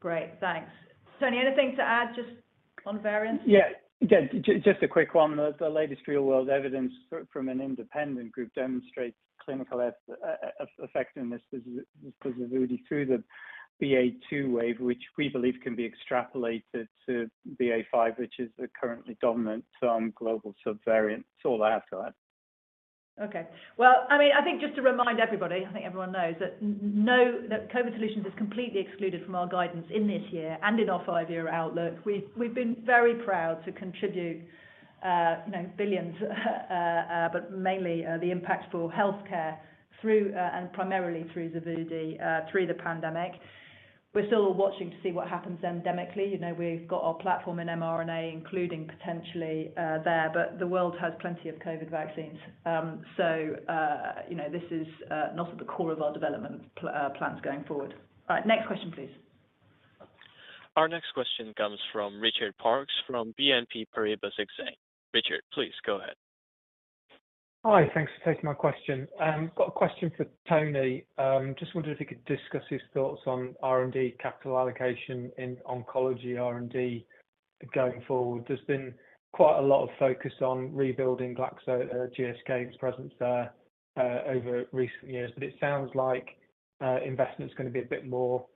Great. Thanks. Tony, anything to add just on variants? Yeah. Again, just a quick one. The latest real-world evidence from an independent group demonstrates clinical effectiveness of Xevudy through the BA.2 wave, which we believe can be extrapolated to BA.5, which is the currently dominant global subvariant. That's all I have to add. Well, I mean, I think just to remind everybody, I think everyone knows that COVID solutions is completely excluded from our guidance in this year and in our five-year outlook. We've been very proud to contribute, you know, billions, but mainly, the impact for healthcare through, and primarily through Xevudy, through the pandemic. We're still watching to see what happens endemically. You know, we've got our platform in mRNA, including potentially, there, but the world has plenty of COVID vaccines. So, you know, this is not at the core of our development plans going forward. All right. Next question, please. Our next question comes from Richard Parkes from BNP Paribas Exane. Richard, please go ahead. Hi. Thanks for taking my question. Got a question for Tony. Just wondered if you could discuss his thoughts on R&D capital allocation in oncology R&D going forward. There's been quite a lot of focus on rebuilding Glaxo, GSK's presence there, over recent years, but it sounds like investment is gonna be a bit more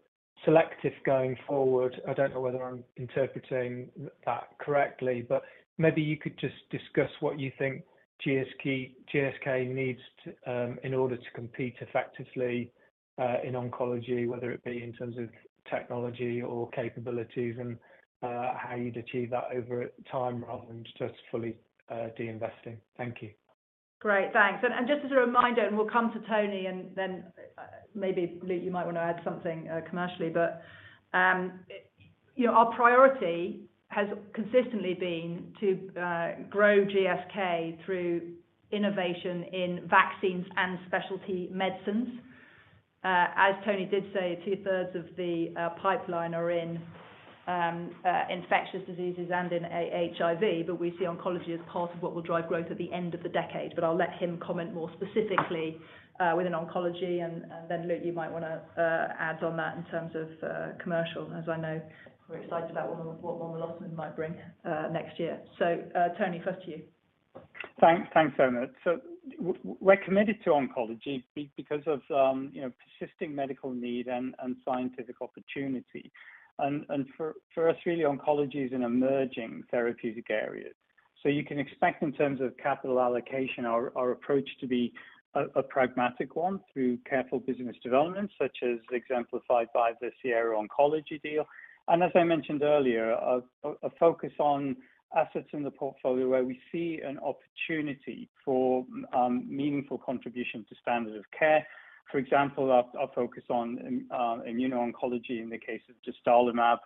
selective going forward. I don't know whether I'm interpreting that correctly, but maybe you could just discuss what you think GSK needs to in order to compete effectively in oncology, whether it be in terms of technology or capabilities and how you'd achieve that over time rather than just fully de-investing. Thank you. Great. Thanks. Just as a reminder, we'll come to Tony, and then maybe Luke, you might want to add something commercially. You know, our priority has consistently been to grow GSK through innovation in vaccines and specialty medicines. As Tony did say, two-thirds of the pipeline are in infectious diseases and in HIV, but we see oncology as part of what will drive growth at the end of the decade. I'll let him comment more specifically within oncology, and then Luke, you might wanna add on that in terms of commercial, as I know we're excited about what momelotinib might bring next year. Tony, first to you. Thanks. Thanks, Emma. We're committed to oncology because of, you know, persisting medical need and scientific opportunity. For us, really, oncology is an emerging therapeutic area. You can expect in terms of capital allocation our approach to be a pragmatic one through careful business development, such as exemplified by the Sierra Oncology deal. As I mentioned earlier, a focus on assets in the portfolio where we see an opportunity for meaningful contribution to standard of care. For example, our focus on immuno-oncology in the case of dostarlimab,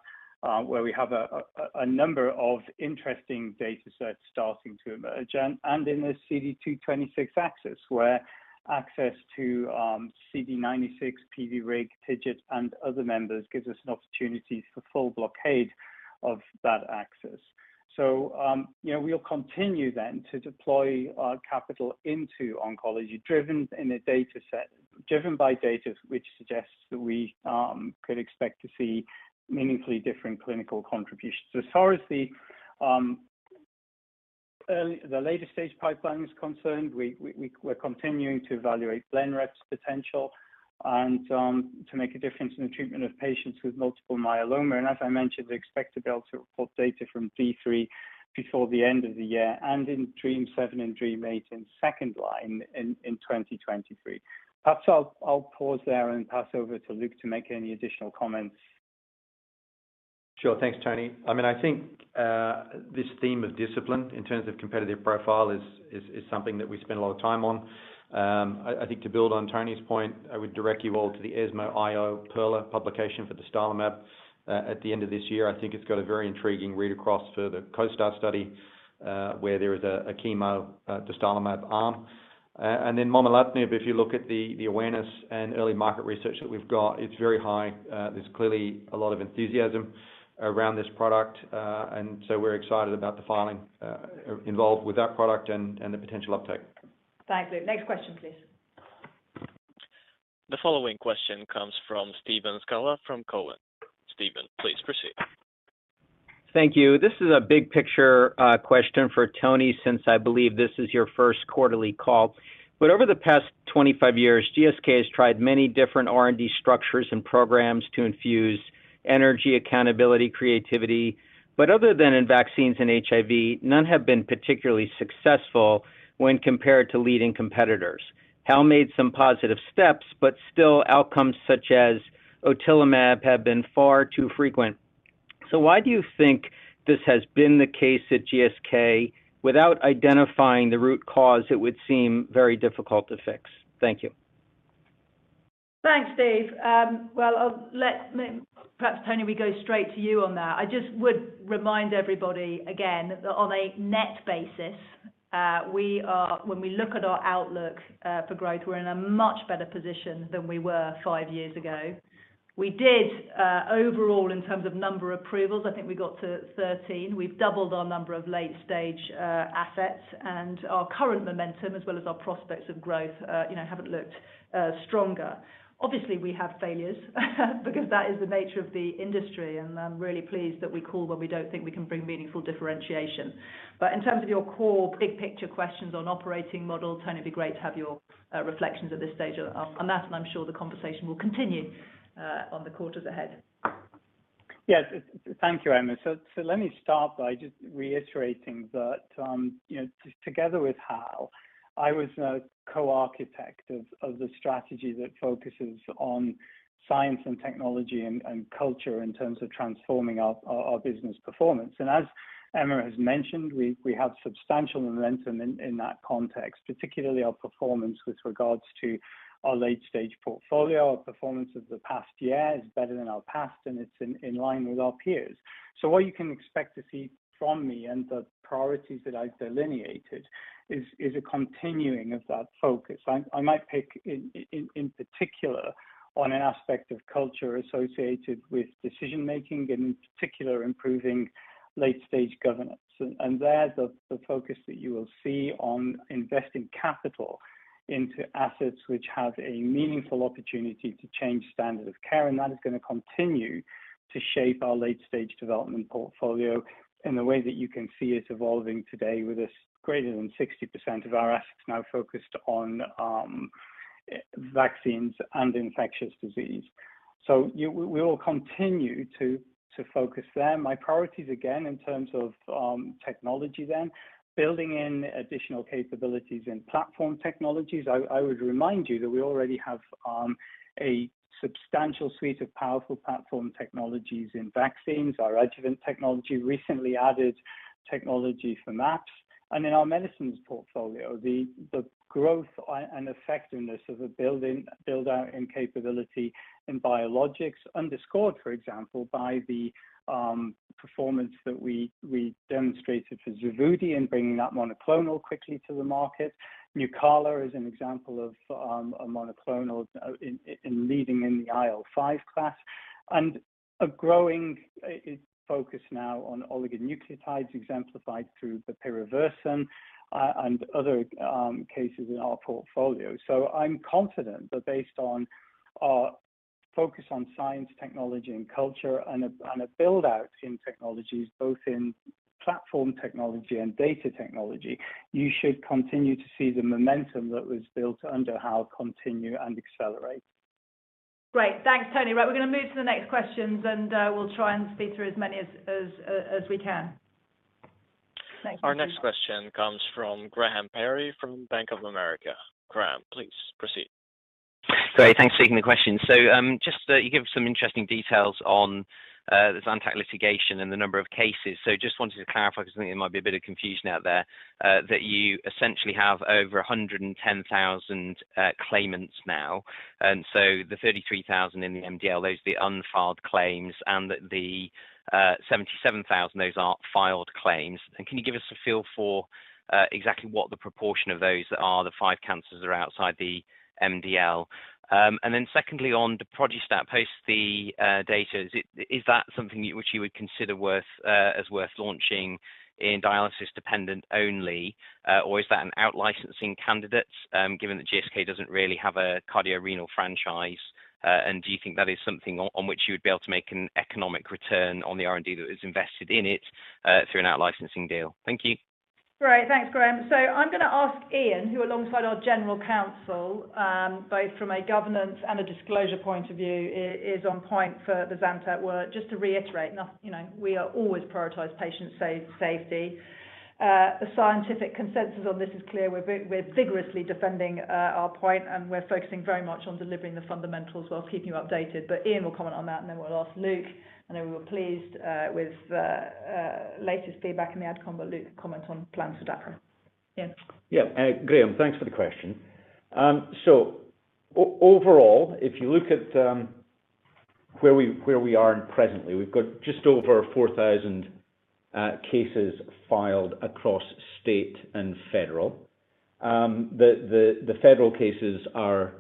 where we have a number of interesting data sets starting to emerge. In the CD226 axis, where access to CD96, PVRIG, TIGIT, and other members gives us an opportunity for full blockade of that axis. you know, we'll continue then to deploy our capital into oncology, driven by data which suggests that we could expect to see meaningfully different clinical contributions. As far as the later-stage pipeline is concerned, we're continuing to evaluate Blenrep's potential and to make a difference in the treatment of patients with multiple myeloma. As I mentioned, we expect to be able to report data from DREAMM-3 before the end of the year and in DREAMM-7 and DREAMM-8 in second-line in 2023. Perhaps I'll pause there and pass over to Luke to make any additional comments. Sure. Thanks, Tony. I mean, I think this theme of discipline in terms of competitive profile is something that we spend a lot of time on. I think to build on Tony's point, I would direct you all to the ESMO IO PERLA publication for the dostarlimab at the end of this year. I think it's got a very intriguing read across for the COSTAR study, where there is a chemo dostarlimab arm. Momelotinib, if you look at the awareness and early market research that we've got, it's very high. There's clearly a lot of enthusiasm around this product, and so we're excited about the filing involved with that product and the potential uptake. Thanks, Luke. Next question, please. The following question comes from Stephen Scala from Cowen. Stephen, please proceed. Thank you. This is a big picture question for Tony, since I believe this is your first quarterly call. Over the past 25 years, GSK has tried many different R&D structures and programs to infuse energy, accountability, creativity. Other than in vaccines and HIV, none have been particularly successful when compared to leading competitors. Hal made some positive steps, but still outcomes such as otilimab have been far too frequent. Why do you think this has been the case at GSK? Without identifying the root cause, it would seem very difficult to fix. Thank you. Thanks, Steve. Well, Tony, we'll go straight to you on that. I just would remind everybody again that on a net basis, we are, when we look at our outlook for growth, we're in a much better position than we were five years ago. We did overall, in terms of number approvals, I think we got to 13. We've doubled our number of late-stage assets and our current momentum as well as our prospects of growth, you know, haven't looked stronger. Obviously, we have failures because that is the nature of the industry, and I'm really pleased that we cull when we don't think we can bring meaningful differentiation. In terms of your core big picture questions on operating model, Tony, it'd be great to have your reflections at this stage on that, and I'm sure the conversation will continue on the quarters ahead. Yes. Thank you, Emma. Let me start by just reiterating that, together with Hal, I was a co-architect of the strategy that focuses on science and technology and culture in terms of transforming our business performance. As Emma has mentioned, we have substantial momentum in that context, particularly our performance with regards to our late-stage portfolio. Our performance of the past year is better than our past, and it's in line with our peers. What you can expect to see from me and the priorities that I've delineated is a continuing of that focus. I might pick in particular on an aspect of culture associated with decision-making and in particular improving late-stage governance. There's the focus that you will see on investing capital into assets which have a meaningful opportunity to change standard of care, and that is gonna continue to shape our late-stage development portfolio in the way that you can see it evolving today with this greater than 60% of our assets now focused on vaccines and infectious disease. We will continue to focus there. My priorities, again, in terms of technology then, building in additional capabilities in platform technologies. I would remind you that we already have a substantial suite of powerful platform technologies in vaccines. Our adjuvant technology recently added technology for MAPS. In our medicines portfolio, the growth and effectiveness of a build out in capability in biologics underscored, for example, by the performance that we demonstrated for Xevudy in bringing that monoclonal quickly to the market. Nucala is an example of a monoclonal in leading in the IL-5 class, and a growing focus now on oligonucleotides exemplified through the bepirovirsen, and other cases in our portfolio. I'm confident that based on our focus on science, technology and culture and a build-out in technologies, both in platform technology and data technology, you should continue to see the momentum that was built under our continue and accelerate. Great. Thanks, Tony. Right, we're gonna move to the next questions, and we'll try and speed through as many as we can. Thank you. Our next question comes from Graham Parry from Bank of America. Graham, please proceed. Great. Thanks for taking the question. Just, you gave some interesting details on the Zantac litigation and the number of cases. Just wanted to clarify because I think there might be a bit of confusion out there, that you essentially have over 110,000 claimants now. The 33,000 in the MDL, those are the unfiled claims, and the 77,000, those are filed claims. Can you give us a feel for exactly what the proportion of those are, the five cancers that are outside the MDL? Secondly, on the daprodustat post the data, is that something you would consider worth launching in dialysis-dependent only, or is that an out-licensing candidate, given that GSK doesn't really have a cardiorenal franchise? Do you think that is something on which you would be able to make an economic return on the R&D that is invested in it, through an out-licensing deal? Thank you. Great. Thanks, Graham. I'm going to ask Iain, who alongside our general counsel, both from a governance and a disclosure point of view, is on point for the Zantac work. Just to reiterate, you know, we are always prioritize patient safety. The scientific consensus on this is clear. We're vigorously defending our point, and we're focusing very much on delivering the fundamentals while keeping you updated. Iain will comment on that, and then we'll ask Luke. I know we were pleased with the latest feedback in the adcom, but Luke comment on plans for daprodustat. Iain. Yeah, Graham, thanks for the question. So overall, if you look at where we are presently, we've got just over 4,000 cases filed across state and federal. The federal cases are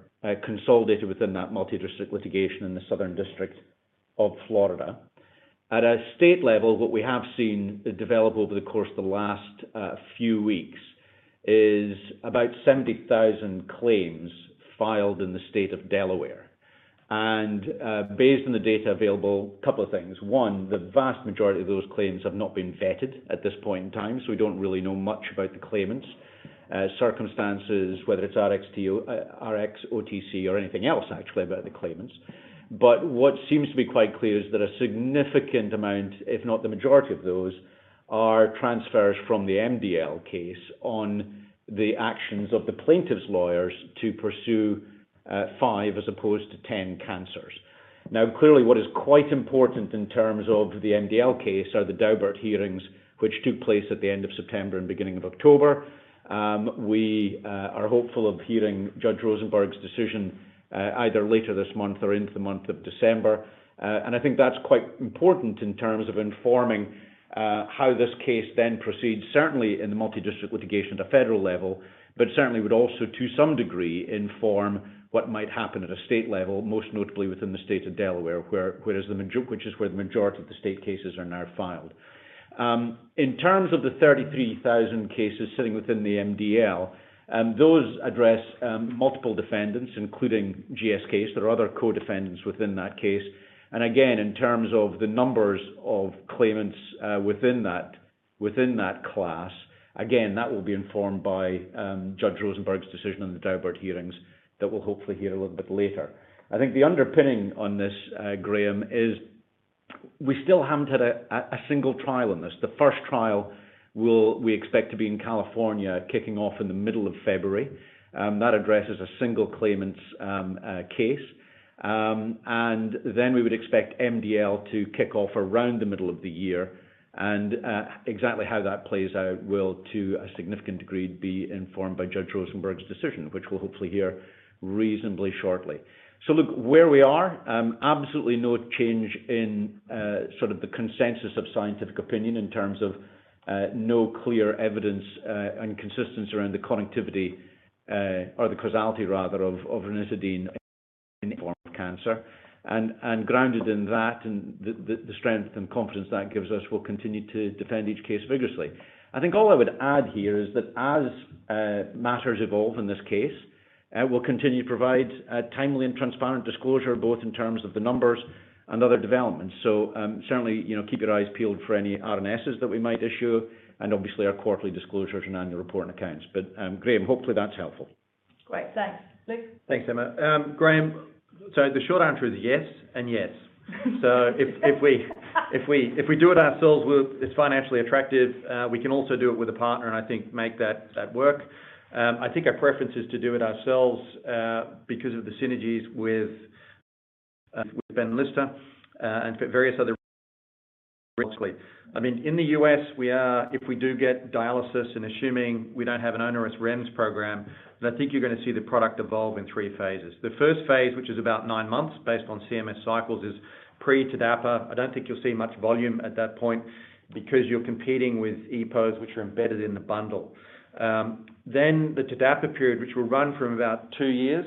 consolidated within that multi-district litigation in the Southern District of Florida. At a state level, what we have seen develop over the course of the last few weeks is about 70,000 claims filed in the state of Delaware. Based on the data available, a couple of things. One, the vast majority of those claims have not been vetted at this point in time, so we don't really know much about the claimants' circumstances, whether it's Rx, OTC, or anything else, actually, about the claimants. What seems to be quite clear is that a significant amount, if not the majority of those, are transfers from the MDL case on the actions of the plaintiff's lawyers to pursue, five as opposed to ten cancers. Now, clearly, what is quite important in terms of the MDL case are the Daubert hearings, which took place at the end of September and beginning of October. We are hopeful of hearing Robin Rosenberg's decision, either later this month or into the month of December. I think that's quite important in terms of informing how this case then proceeds, certainly in the multidistrict litigation at a federal level, but certainly would also, to some degree, inform what might happen at a state level, most notably within the state of Delaware, which is where the majority of the state cases are now filed. In terms of the 33,000 cases sitting within the MDL, those address multiple defendants, including GSK's. There are other co-defendants within that case. In terms of the numbers of claimants within that class, that will be informed by Robin Rosenberg's decision on the Daubert hearings that we'll hopefully hear a little bit later. I think the underpinning on this, Graham, is we still haven't had a single trial on this. The first trial we expect to be in California, kicking off in the middle of February. That addresses a single claimant's case. We would expect MDL to kick off around the middle of the year. Exactly how that plays out will, to a significant degree, be informed by Robin Rosenberg's decision, which we'll hopefully hear reasonably shortly. Look, where we are, absolutely no change in sort of the consensus of scientific opinion in terms of no clear evidence and consistency around the connectivity or the causality rather of ranitidine in form of cancer. Grounded in that and the strength and confidence that gives us, we'll continue to defend each case vigorously. I think all I would add here is that as matters evolve in this case, we'll continue to provide a timely and transparent disclosure, both in terms of the numbers and other developments. Certainly, you know, keep your eyes peeled for any RNS that we might issue, and obviously our quarterly disclosures and annual report and accounts. Graham, hopefully that's helpful. Great. Thanks. Luke? Thanks, Emma. Graham, so the short answer is yes and yes. If we do it ourselves, it's financially attractive. We can also do it with a partner and I think make that work. I think our preference is to do it ourselves, because of the synergies with Benlysta and various other Great. Thanks. I mean, in the U.S., if we do get dialysis and assuming we don't have an onerous REMS program, then I think you're going to see the product evolve in three phases. The first phase, which is about nine months based on CMS cycles, is pre-TDAPA. I don't think you'll see much volume at that point because you're competing with EPOs which are embedded in the bundle. The TDAPA period, which will run for about two years,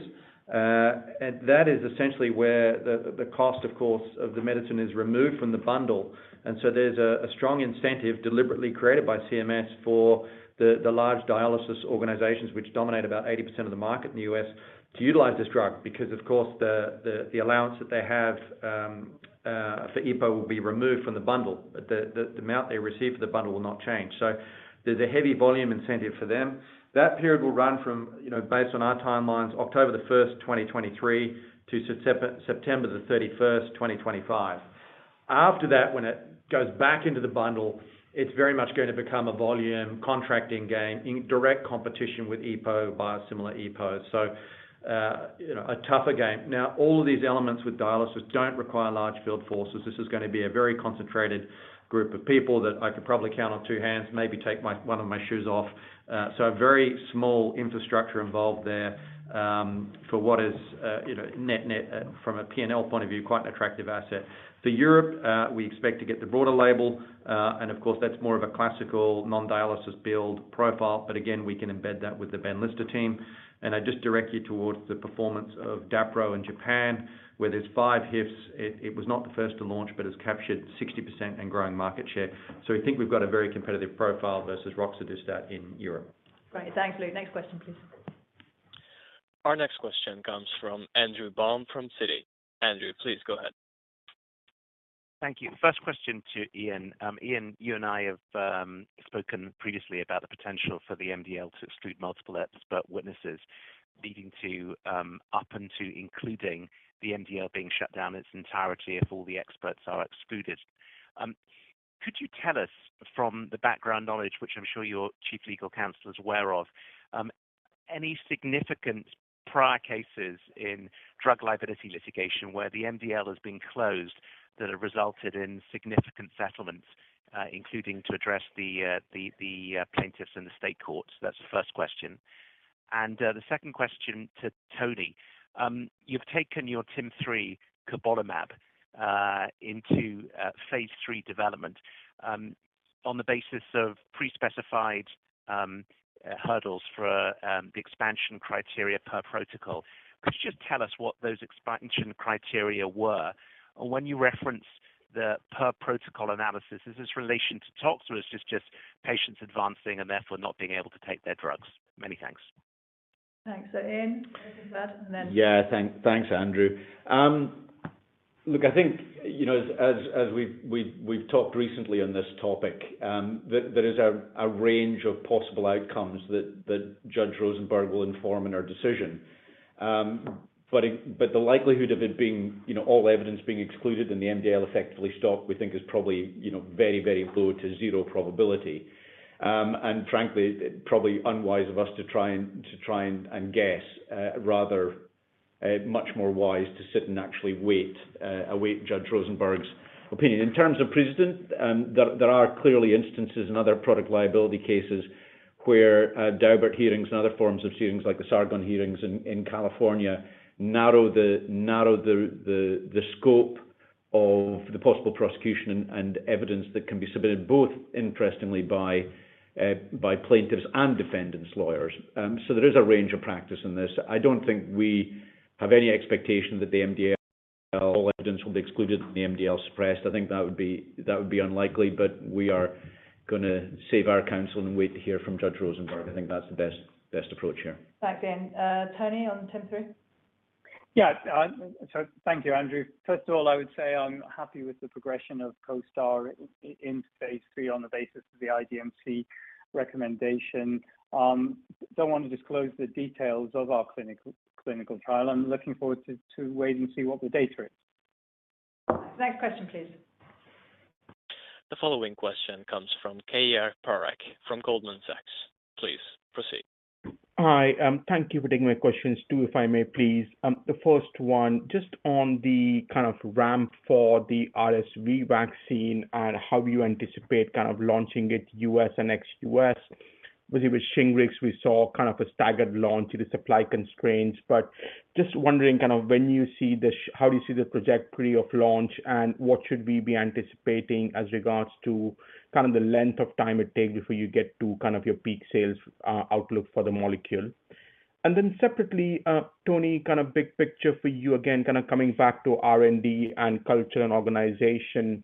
and that is essentially where the cost, of course, of the medicine is removed from the bundle. There's a strong incentive deliberately created by CMS for the large dialysis organizations which dominate about 80% of the market in the U.S. to utilize this drug, because of course the allowance that they have for EPO will be removed from the bundle. The amount they receive for the bundle will not change. There's a heavy volume incentive for them. That period will run from, you know, based on our timelines, October 1, 2023 to September 31, 2025. After that, when it goes back into the bundle, it's very much going to become a volume contracting game in direct competition with EPO, biosimilar EPOs. You know, a tougher game. Now, all of these elements with dialysis don't require large field forces. This is gonna be a very concentrated group of people that I could probably count on two hands, maybe take one of my shoes off. A very small infrastructure involved there, for what is, you know, net-net, from a P&L point of view, quite an attractive asset. For Europe, we expect to get the broader label, and of course, that's more of a classical non-dialysis build profile. Again, we can embed that with the Benlysta team. I just direct you towards the performance of daprodustat in Japan, where there's five HIFs. It was not the first to launch, but has captured 60% and growing market share. We think we've got a very competitive profile versus Roxadustat in Europe. Great. Thanks, Luke. Next question, please. Our next question comes from Andrew Baum from Citi. Andrew, please go ahead. Thank you. First question to Iain. Iain, you and I have spoken previously about the potential for the MDL to exclude multiple expert witnesses, leading to up until including the MDL being shut down in its entirety if all the experts are excluded. Could you tell us from the background knowledge, which I'm sure your chief legal counsel is aware of, any significant prior cases in drug liability litigation where the MDL has been closed that have resulted in significant settlements, including to address the plaintiffs in the state courts? That's the first question. The second question to Tony Wood. You've taken your TIM-3 cobolimab into phase III development on the basis of pre-specified hurdles for the expansion criteria per protocol. Could you just tell us what those expansion criteria were? When you reference the per protocol analysis, is this related to tox or it's just patients advancing and therefore not being able to take their drugs? Many thanks. Thanks. Iain, answer that and then. Yeah. Thanks, Andrew. Look, I think, you know, as we've talked recently on this topic, there is a range of possible outcomes that Robin Rosenberg will inform in our decision. The likelihood of it being, you know, all evidence being excluded and the MDL effectively stopped, we think is probably, you know, very low to zero probability. Frankly, probably unwise of us to try and guess, rather, much more wise to sit and actually wait, await Robin Rosenberg's opinion. In terms of precedent, there are clearly instances in other product liability cases where Daubert hearings and other forms of hearings like the Sargon hearings in California narrow the scope of the possible prosecution and evidence that can be submitted both interestingly by plaintiffs and defendants' lawyers. There is a range of practice in this. I don't think we have any expectation that the MDL evidence will be excluded and the MDL suppressed. I think that would be unlikely, but we are gonna save our counsel and wait to hear from Robin Rosenberg. I think that's the best approach here. Thanks, Iain. Tony, on TIM-3. Thank you, Andrew. First of all, I would say I'm happy with the progression of COSTAR in phase III on the basis of the IDMC recommendation. Don't want to disclose the details of our clinical trial. I'm looking forward to wait and see what the data is. Next question, please. The following question comes from Keyur Parekh from Goldman Sachs. Please proceed. Hi. Thank you for taking my questions too, if I may please. The first one, just on the kind of ramp for the RSV vaccine and how you anticipate kind of launching it U.S. and ex-U.S. With Shingrix, we saw kind of a staggered launch due to supply constraints. Just wondering kind of when you see how do you see the trajectory of launch, and what should we be anticipating as regards to kind of the length of time it takes before you get to kind of your peak sales outlook for the molecule? And then separately, Tony, kind of big picture for you, again, kind of coming back to R&D and culture and organization.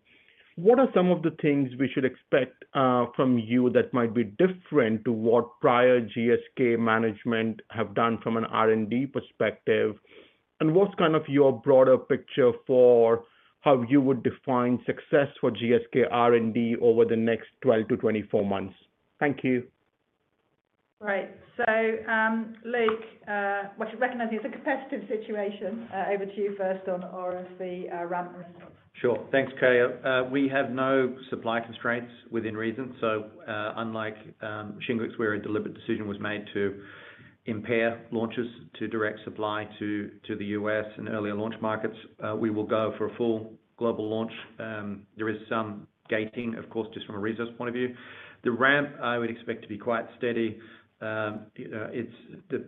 What are some of the things we should expect from you that might be different to what prior GSK management have done from an R&D perspective? What's kind of your broader picture for how you would define success for GSK R&D over the next 12-24 months? Thank you. Great. Well, I should recognize it's a competitive situation. Over to you first on RSV, ramp and results. Sure. Thanks, Keyur. We have no supply constraints within reason. Unlike Shingrix, where a deliberate decision was made to impair launches to direct supply to the U.S. and earlier launch markets, we will go for a full global launch. There is some gating, of course, just from a resource point of view. The ramp, I would expect to be quite steady. The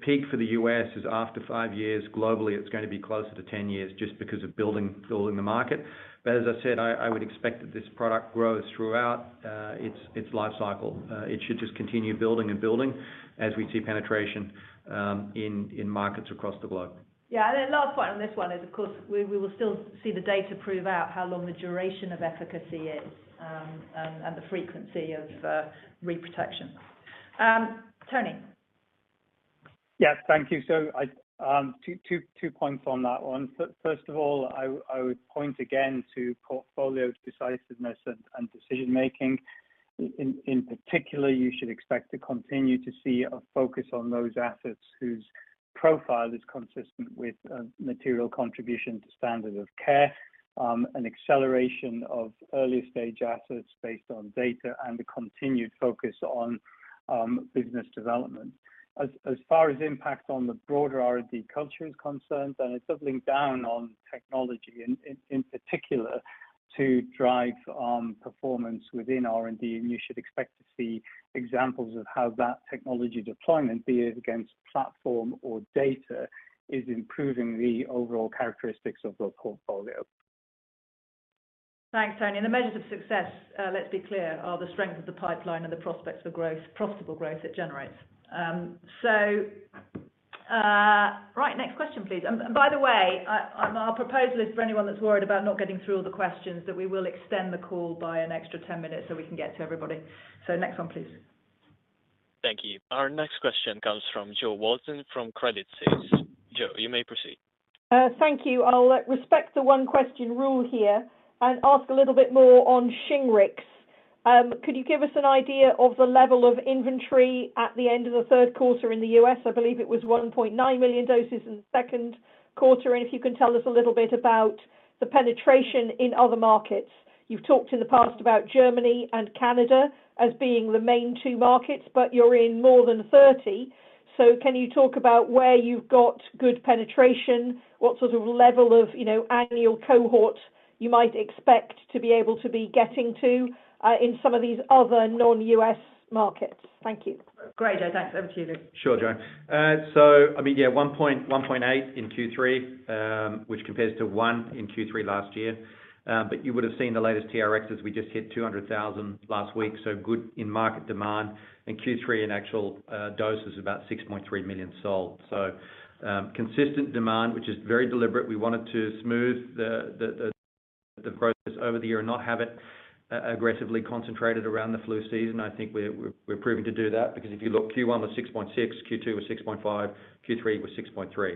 peak for the U.S. is after five years. Globally, it's going to be closer to 10 years just because of building the market. As I said, I would expect that this product grows throughout its life cycle. It should just continue building as we see penetration in markets across the globe. Yeah. Last point on this one is, of course, we will still see the data prove out how long the duration of efficacy is, and the frequency of re-protection. Tony. Yes. Thank you. Two points on that one. First of all, I would point again to portfolio decisiveness and decision-making. In particular, you should expect to continue to see a focus on those assets whose profile is consistent with material contribution to standard of care, an acceleration of early-stage assets based on data and a continued focus on business development. As far as impact on the broader R&D culture is concerned, then it's doubling down on technology in particular to drive performance within R&D. You should expect to see examples of how that technology deployment, be it against platform or data, is improving the overall characteristics of the portfolio. Thanks, Tony. The measures of success, let's be clear, are the strength of the pipeline and the prospects for growth, profitable growth it generates. Right. Next question, please. By the way, our proposal is for anyone that's worried about not getting through all the questions, that we will extend the call by an extra 10 minutes so we can get to everybody. Next one, please. Thank you. Our next question comes from Jo Walton from Credit Suisse. Jo, you may proceed. Thank you. I'll respect the one-question rule here and ask a little bit more on Shingrix. Could you give us an idea of the level of inventory at the end of the third quarter in the U.S.? I believe it was 1.9 million doses in the second quarter. If you can tell us a little bit about the penetration in other markets? You've talked in the past about Germany and Canada as being the main two markets, but you're in more than 30. So can you talk about where you've got good penetration? What sort of level of, you know, annual cohort you might expect to be able to be getting to in some of these other non-U.S. markets? Thank you. Great, Jo. Thanks. Over to you, Luke. Sure, Jo. I mean, yeah, 1.8 million in Q3, which compares to 1 million in Q3 last year. You would have seen the latest TRx. We just hit 200,000 last week, so good in-market demand. In Q3, in actual doses, about 6.3 million sold. Consistent demand, which is very deliberate. We wanted to smooth the growth over the year and not have it aggressively concentrated around the flu season. I think we're proving to do that, because if you look, Q1 was 6.6, Q2 was 6.5, Q3 was 6.3.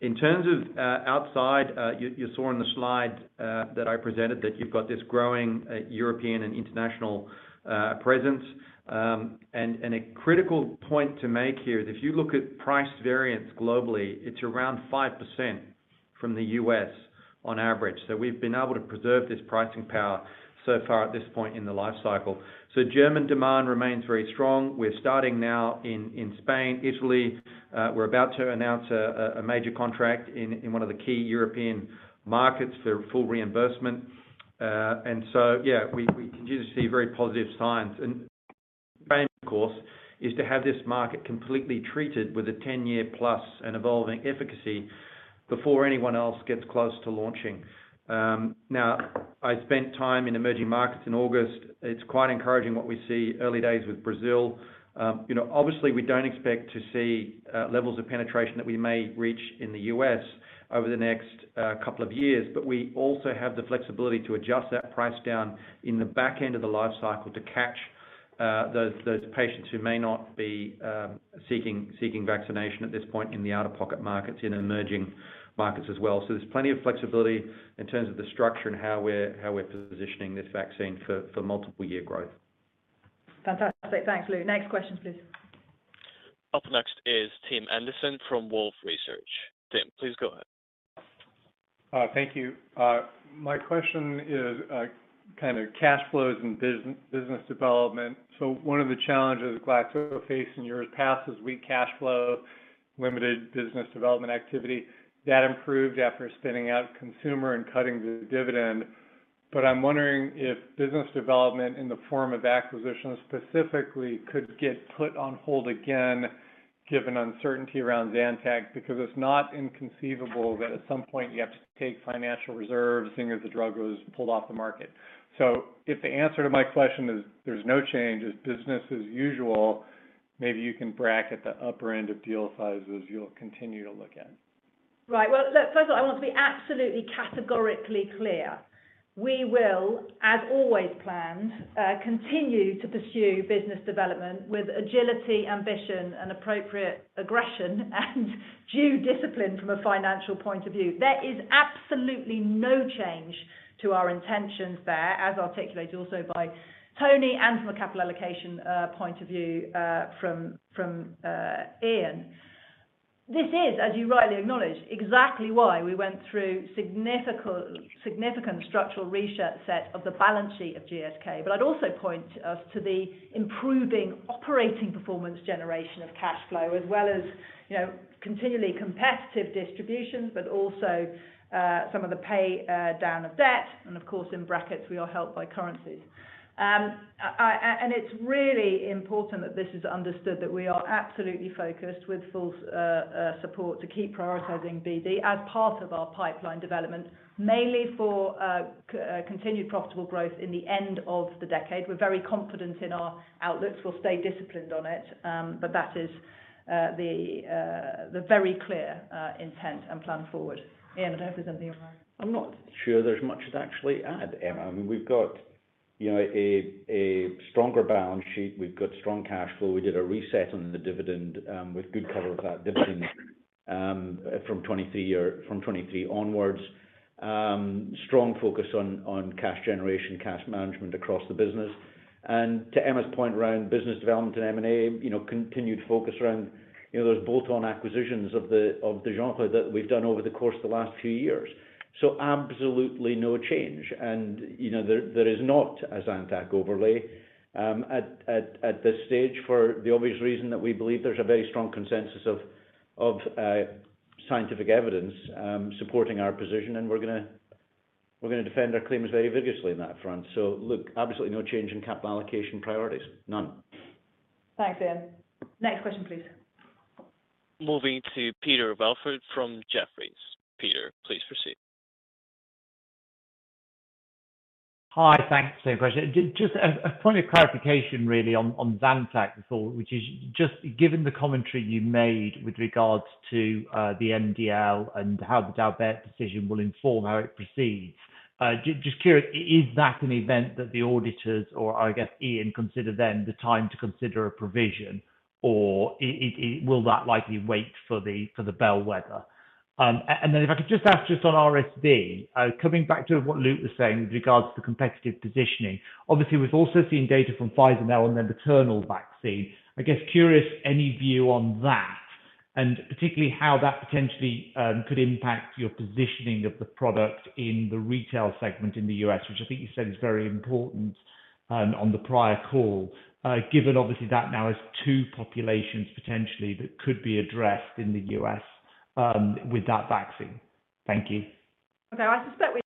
In terms of outside, you saw on the slide that I presented that you've got this growing European and international presence. A critical point to make here is if you look at price variance globally, it's around 5% from the U.S. on average. We've been able to preserve this pricing power so far at this point in the life cycle. German demand remains very strong. We're starting now in Spain, Italy. We're about to announce a major contract in one of the key European markets for full reimbursement. We continue to see very positive signs. The aim, of course, is to have this market completely treated with a 10-year plus and evolving efficacy before anyone else gets close to launching. Now, I spent time in emerging markets in August. It's quite encouraging what we see early days with Brazil. You know, obviously, we don't expect to see levels of penetration that we may reach in the U.S. over the next couple of years. We also have the flexibility to adjust that price down in the back end of the life cycle to catch those patients who may not be seeking vaccination at this point in the out-of-pocket markets, in emerging markets as well. There's plenty of flexibility in terms of the structure and how we're positioning this vaccine for multiple year growth. Fantastic. Thanks, Luke. Next question, please. Up next is Tim Anderson from Wolfe Research. Tim, please go ahead. Thank you. My question is kind of cash flows and business development. One of the challenges Glaxo faced in years past is weak cash flow, limited business development activity. That improved after spinning out consumer and cutting the dividend. I'm wondering if business development in the form of acquisitions specifically could get put on hold again, given uncertainty around Zantac, because it's not inconceivable that at some point you have to take financial reserves seeing as the drug was pulled off the market. If the answer to my question is there's no change, it's business as usual, maybe you can bracket the upper end of deal sizes you'll continue to look at. Right. Well, look, first of all, I want to be absolutely categorically clear. We will, as always planned, continue to pursue business development with agility, ambition, and appropriate aggression and due discipline from a financial point of view. There is absolutely no change to our intentions there, as articulated also by Tony and from a capital allocation point of view, from Iain. This is, as you rightly acknowledge, exactly why we went through significant structural reset of the balance sheet of GSK. But I'd also point us to the improving operating performance generation of cash flow, as well as, you know, continually competitive distributions, but also, some of the pay down of debt. Of course, in brackets, we are helped by currency. It's really important that this is understood that we are absolutely focused with full support to keep prioritizing BD as part of our pipeline development, mainly for continued profitable growth in the end of the decade. We're very confident in our outlooks. We'll stay disciplined on it. That is the very clear intent and plan forward. Iain, I don't know if there's anything you want to add. I'm not sure there's much to actually add, Emma. I mean, we've got, you know, a stronger balance sheet. We've got strong cash flow. We did a reset on the dividend, with good cover of that dividend, from 2023 or from 2023 onwards. Strong focus on cash generation, cash management across the business. To Emma's point around business development and M&A, you know, continued focus around, you know, those bolt-on acquisitions of the genre that we've done over the course of the last few years. So absolutely no change. You know, there is not a Zantac overlay, at this stage for the obvious reason that we believe there's a very strong consensus of scientific evidence supporting our position. We're gonna defend our claims very vigorously on that front. Look, absolutely no change in capital allocation priorities. None. Thanks, Iain. Next question, please. Moving to Peter Welford from Jefferies. Peter, please proceed. Hi. Thanks. A question. Just a point of clarification really on Zantac before, which is just given the commentary you made with regards to the MDL and how the Daubert decision will inform how it proceeds. Just curious, is that an event that the auditors or I guess Iain consider that the time to consider a provision or will that likely wait for the bellwether? And then if I could just ask on RSV, coming back to what Luke was saying with regards to competitive positioning. Obviously, we've also seen data from Pfizer now on their maternal vaccine. I'm curious any view on that, and particularly how that potentially could impact your positioning of the product in the retail segment in the U.S., which I think you said is very important on the prior call. Given obviously that now is two populations potentially that could be addressed in the U.S., with that vaccine. Thank you. Okay. I suspect we.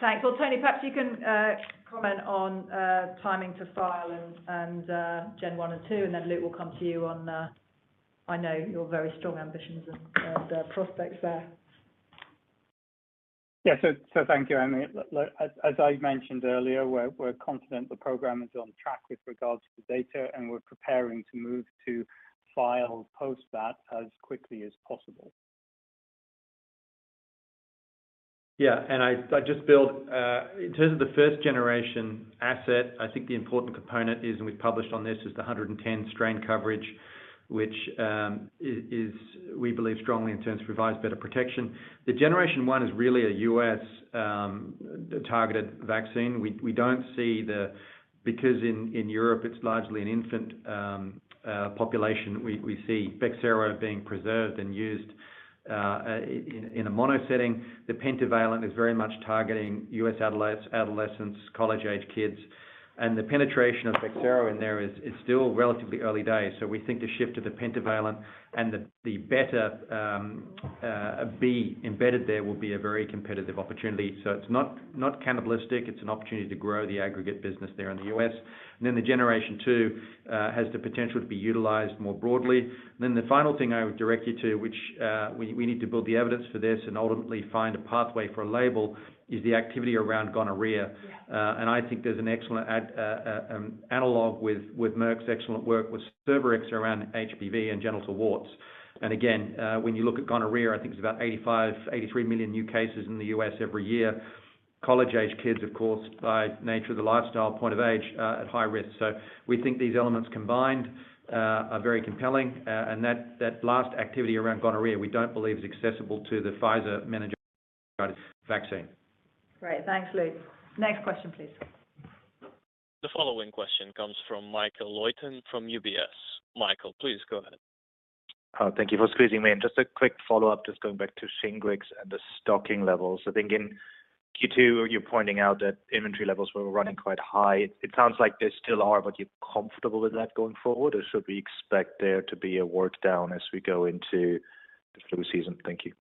Thanks. Well, Tony, perhaps you can comment on timing to file and Gen 1 and 2, and then we'll come to Luke on. I know your very strong ambitions and prospects there. Yeah. Thank you, Emily. Look, as I mentioned earlier, we're confident the program is on track with regards to the data, and we're preparing to move to file post that as quickly as possible. Yeah. I just build in terms of the first generation asset. I think the important component is, and we've published on this, is the 110 strain coverage, which is we believe strongly in terms of provides better protection. The generation one is really a U.S. targeted vaccine. We don't see. Because in Europe, it's largely an infant population, we see Bexsero being preserved and used in a mono setting. The pentavalent is very much targeting U.S. adolescents, college-age kids. The penetration of Bexsero in there is still relatively early days. We think the shift to the pentavalent and the better B embedded there will be a very competitive opportunity. It's not cannibalistic. It's an opportunity to grow the aggregate business there in the U.S. The generation two has the potential to be utilized more broadly. The final thing I would direct you to, which we need to build the evidence for this and ultimately find a pathway for a label, is the activity around gonorrhea. I think there's an excellent analog with Merck's excellent work with Cervarix around HPV and genital warts. Again, when you look at gonorrhea, I think it's about 83 million new cases in the U.S. every year. College-age kids, of course, by nature of the lifestyle point of age, at high risk. We think these elements combined are very compelling. That last activity around gonorrhea, we don't believe is accessible to the Pfizer meningitis vaccine. Great. Thanks, Luke. Next question, please. The following question comes from Michael Leuchten from UBS. Michael, please go ahead. Thank you for squeezing me in. Just a quick follow-up, just going back to Shingrix and the stocking levels. I think in Q2, you're pointing out that inventory levels were running quite high. It sounds like they still are, but you're comfortable with that going forward, or should we expect there to be a work down as we go into the flu season? Thank you.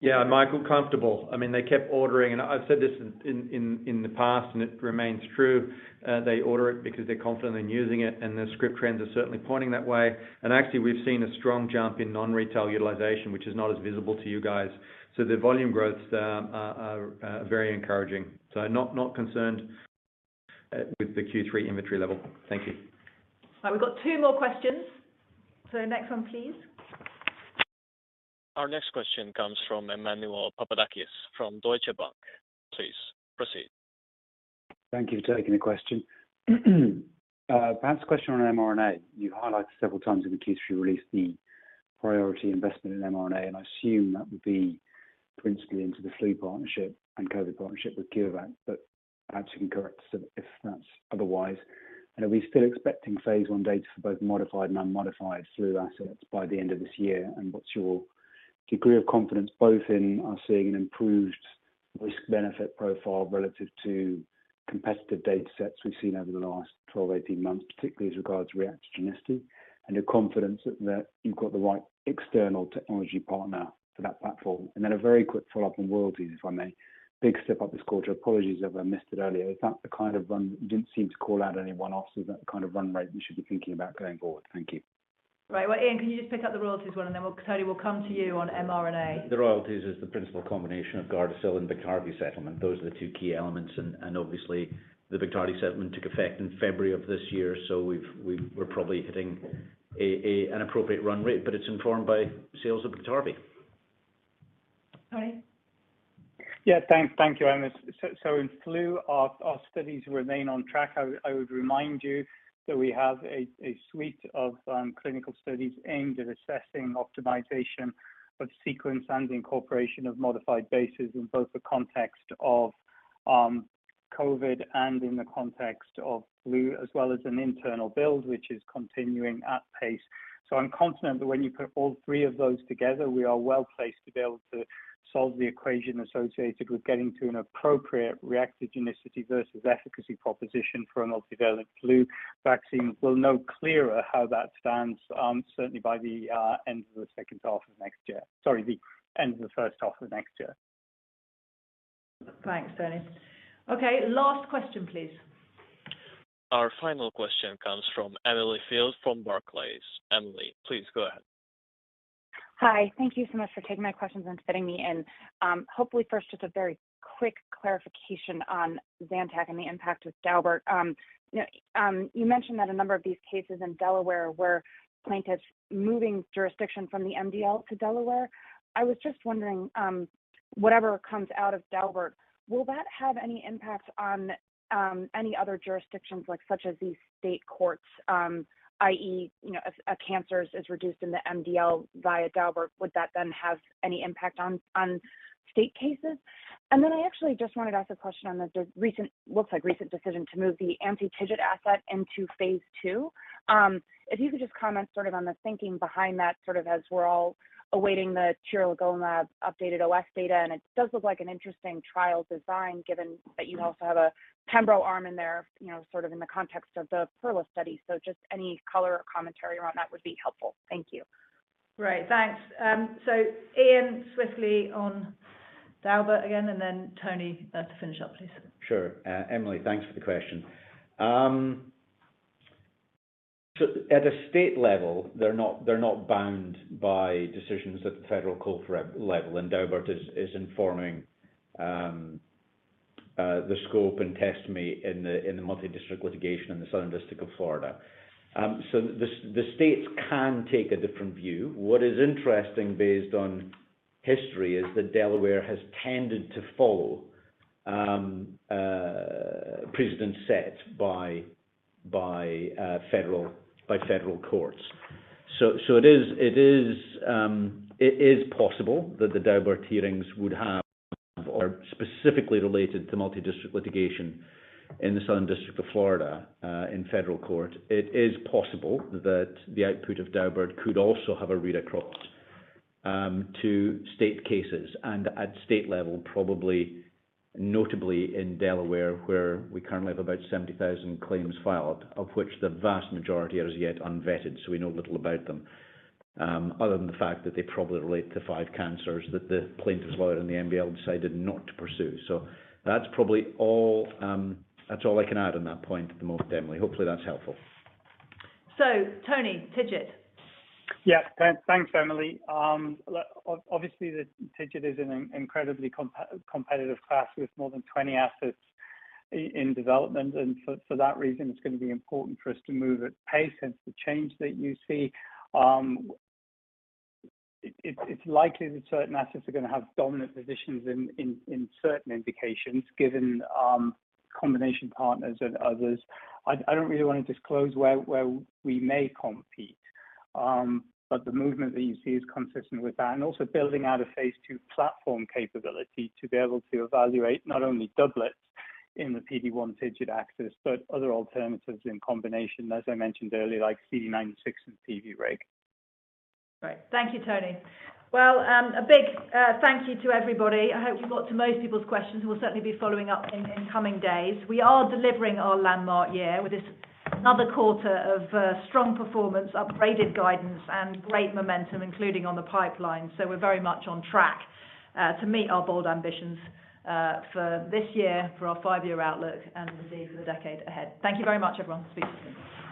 Yeah. Michael, comfortable. I mean, they kept ordering, and I've said this in the past, and it remains true. They order it because they're confident in using it, and the script trends are certainly pointing that way. Actually, we've seen a strong jump in non-retail utilization, which is not as visible to you guys. The volume growths are very encouraging. Not concerned. With the Q3 inventory level. Thank you. All right, we've got two more questions. Next one, please. Our next question comes from Emmanuel Papadakis from Deutsche Bank. Please proceed. Thank you for taking the question. Perhaps a question on mRNA. You highlighted several times in the Q3 release the priority investment in mRNA, and I assume that would be principally into the flu partnership and COVID partnership with CureVac, but perhaps you can correct if that's otherwise. Are we still expecting phase I data for both modified and unmodified flu assets by the end of this year? What's your degree of confidence both in us seeing an improved risk-benefit profile relative to competitive data sets we've seen over the last 12, 18 months, particularly as regards reactogenicity? Your confidence that you've got the right external technology partner for that platform. Then a very quick follow-up on royalties, if I may. Big step up this quarter. Apologies if I missed it earlier. Is that the kind of run... You didn't seem to call out any one-offs. Is that the kind of run rate we should be thinking about going forward? Thank you. Right. Well, Iain, can you just pick up the royalties one, and then Tony, we'll come to you on mRNA. The royalties is the principal combination of Gardasil and Biktarvy settlement. Those are the two key elements and obviously, the Biktarvy settlement took effect in February of this year, so we're probably hitting an appropriate run rate. It's informed by sales of Biktarvy. Tony? Yeah. Thank you, Emma. In flu, our studies remain on track. I would remind you that we have a suite of clinical studies aimed at assessing optimization of sequence and the incorporation of modified bases in both the context of COVID and in the context of flu, as well as an internal build, which is continuing at pace. I'm confident that when you put all three of those together, we are well-placed to be able to solve the equation associated with getting to an appropriate reactogenicity versus efficacy proposition for a multivalent flu vaccine. We'll know clearer how that stands, certainly by the end of the second half of next year. Sorry, the end of the first half of next year. Thanks, Tony. Okay, last question, please. Our final question comes from Emily Field from Barclays. Emily, please go ahead. Hi. Thank you so much for taking my questions and fitting me in. Hopefully first just a very quick clarification on Zantac and the impact with Daubert. You know, you mentioned that a number of these cases in Delaware were plaintiffs moving jurisdiction from the MDL to Delaware. I was just wondering, whatever comes out of Daubert, will that have any impact on, any other jurisdictions like such as these state courts, i.e., you know, if cases is reduced in the MDL via Daubert, would that then have any impact on state cases? I actually just wanted to ask a question on the recent, looks like recent decision to move the anti-TIGIT asset into phase II. If you could just comment sort of on the thinking behind that, sort of as we're all awaiting the tiragolumab updated OS data, and it does look like an interesting trial design given that you also have a pembro arm in there, you know, sort of in the context of the PERLA study. Just any color or commentary around that would be helpful. Thank you. Great. Thanks. Iain, swiftly on Daubert again, and then Tony, to finish up, please. Sure. Emily, thanks for the question. At a state level, they're not bound by decisions at the federal court level, and Daubert is informing the scope and testimony in the multi-district litigation in the Southern District of Florida. The states can take a different view. What is interesting based on history is that Delaware has tended to follow precedents set by federal courts. It is possible that the Daubert hearings would have or specifically related to multi-district litigation in the Southern District of Florida, in federal court. It is possible that the output of Daubert could also have a read-across to state cases and at state level, probably notably in Delaware, where we currently have about 70,000 claims filed, of which the vast majority are as yet unvetted, so we know little about them, other than the fact that they probably relate to five cancers that the plaintiff's lawyer in the MDL decided not to pursue. That's probably all, that's all I can add on that point at the moment, Emily. Hopefully, that's helpful. Tony, TIGIT. Yeah. Thanks, Emily. Look, obviously, the TIGIT is an incredibly competitive class with more than 20 assets in development. For that reason, it's gonna be important for us to move at pace. Hence the change that you see. It's likely that certain assets are gonna have dominant positions in certain indications given combination partners and others. I don't really wanna disclose where we may compete, but the movement that you see is consistent with that. Also building out a phase II platform capability to be able to evaluate not only doublets in the PD-1 TIGIT axis, but other alternatives in combination, as I mentioned earlier, like CD96 and TIGIT. Great. Thank you, Tony. Well, a big thank you to everybody. I hope we got to most people's questions. We'll certainly be following up in coming days. We are delivering our landmark year with this another quarter of strong performance, upgraded guidance and great momentum, including on the pipeline. We're very much on track to meet our bold ambitions for this year, for our five-year outlook and indeed for the decade ahead. Thank you very much, everyone. Speak to you soon.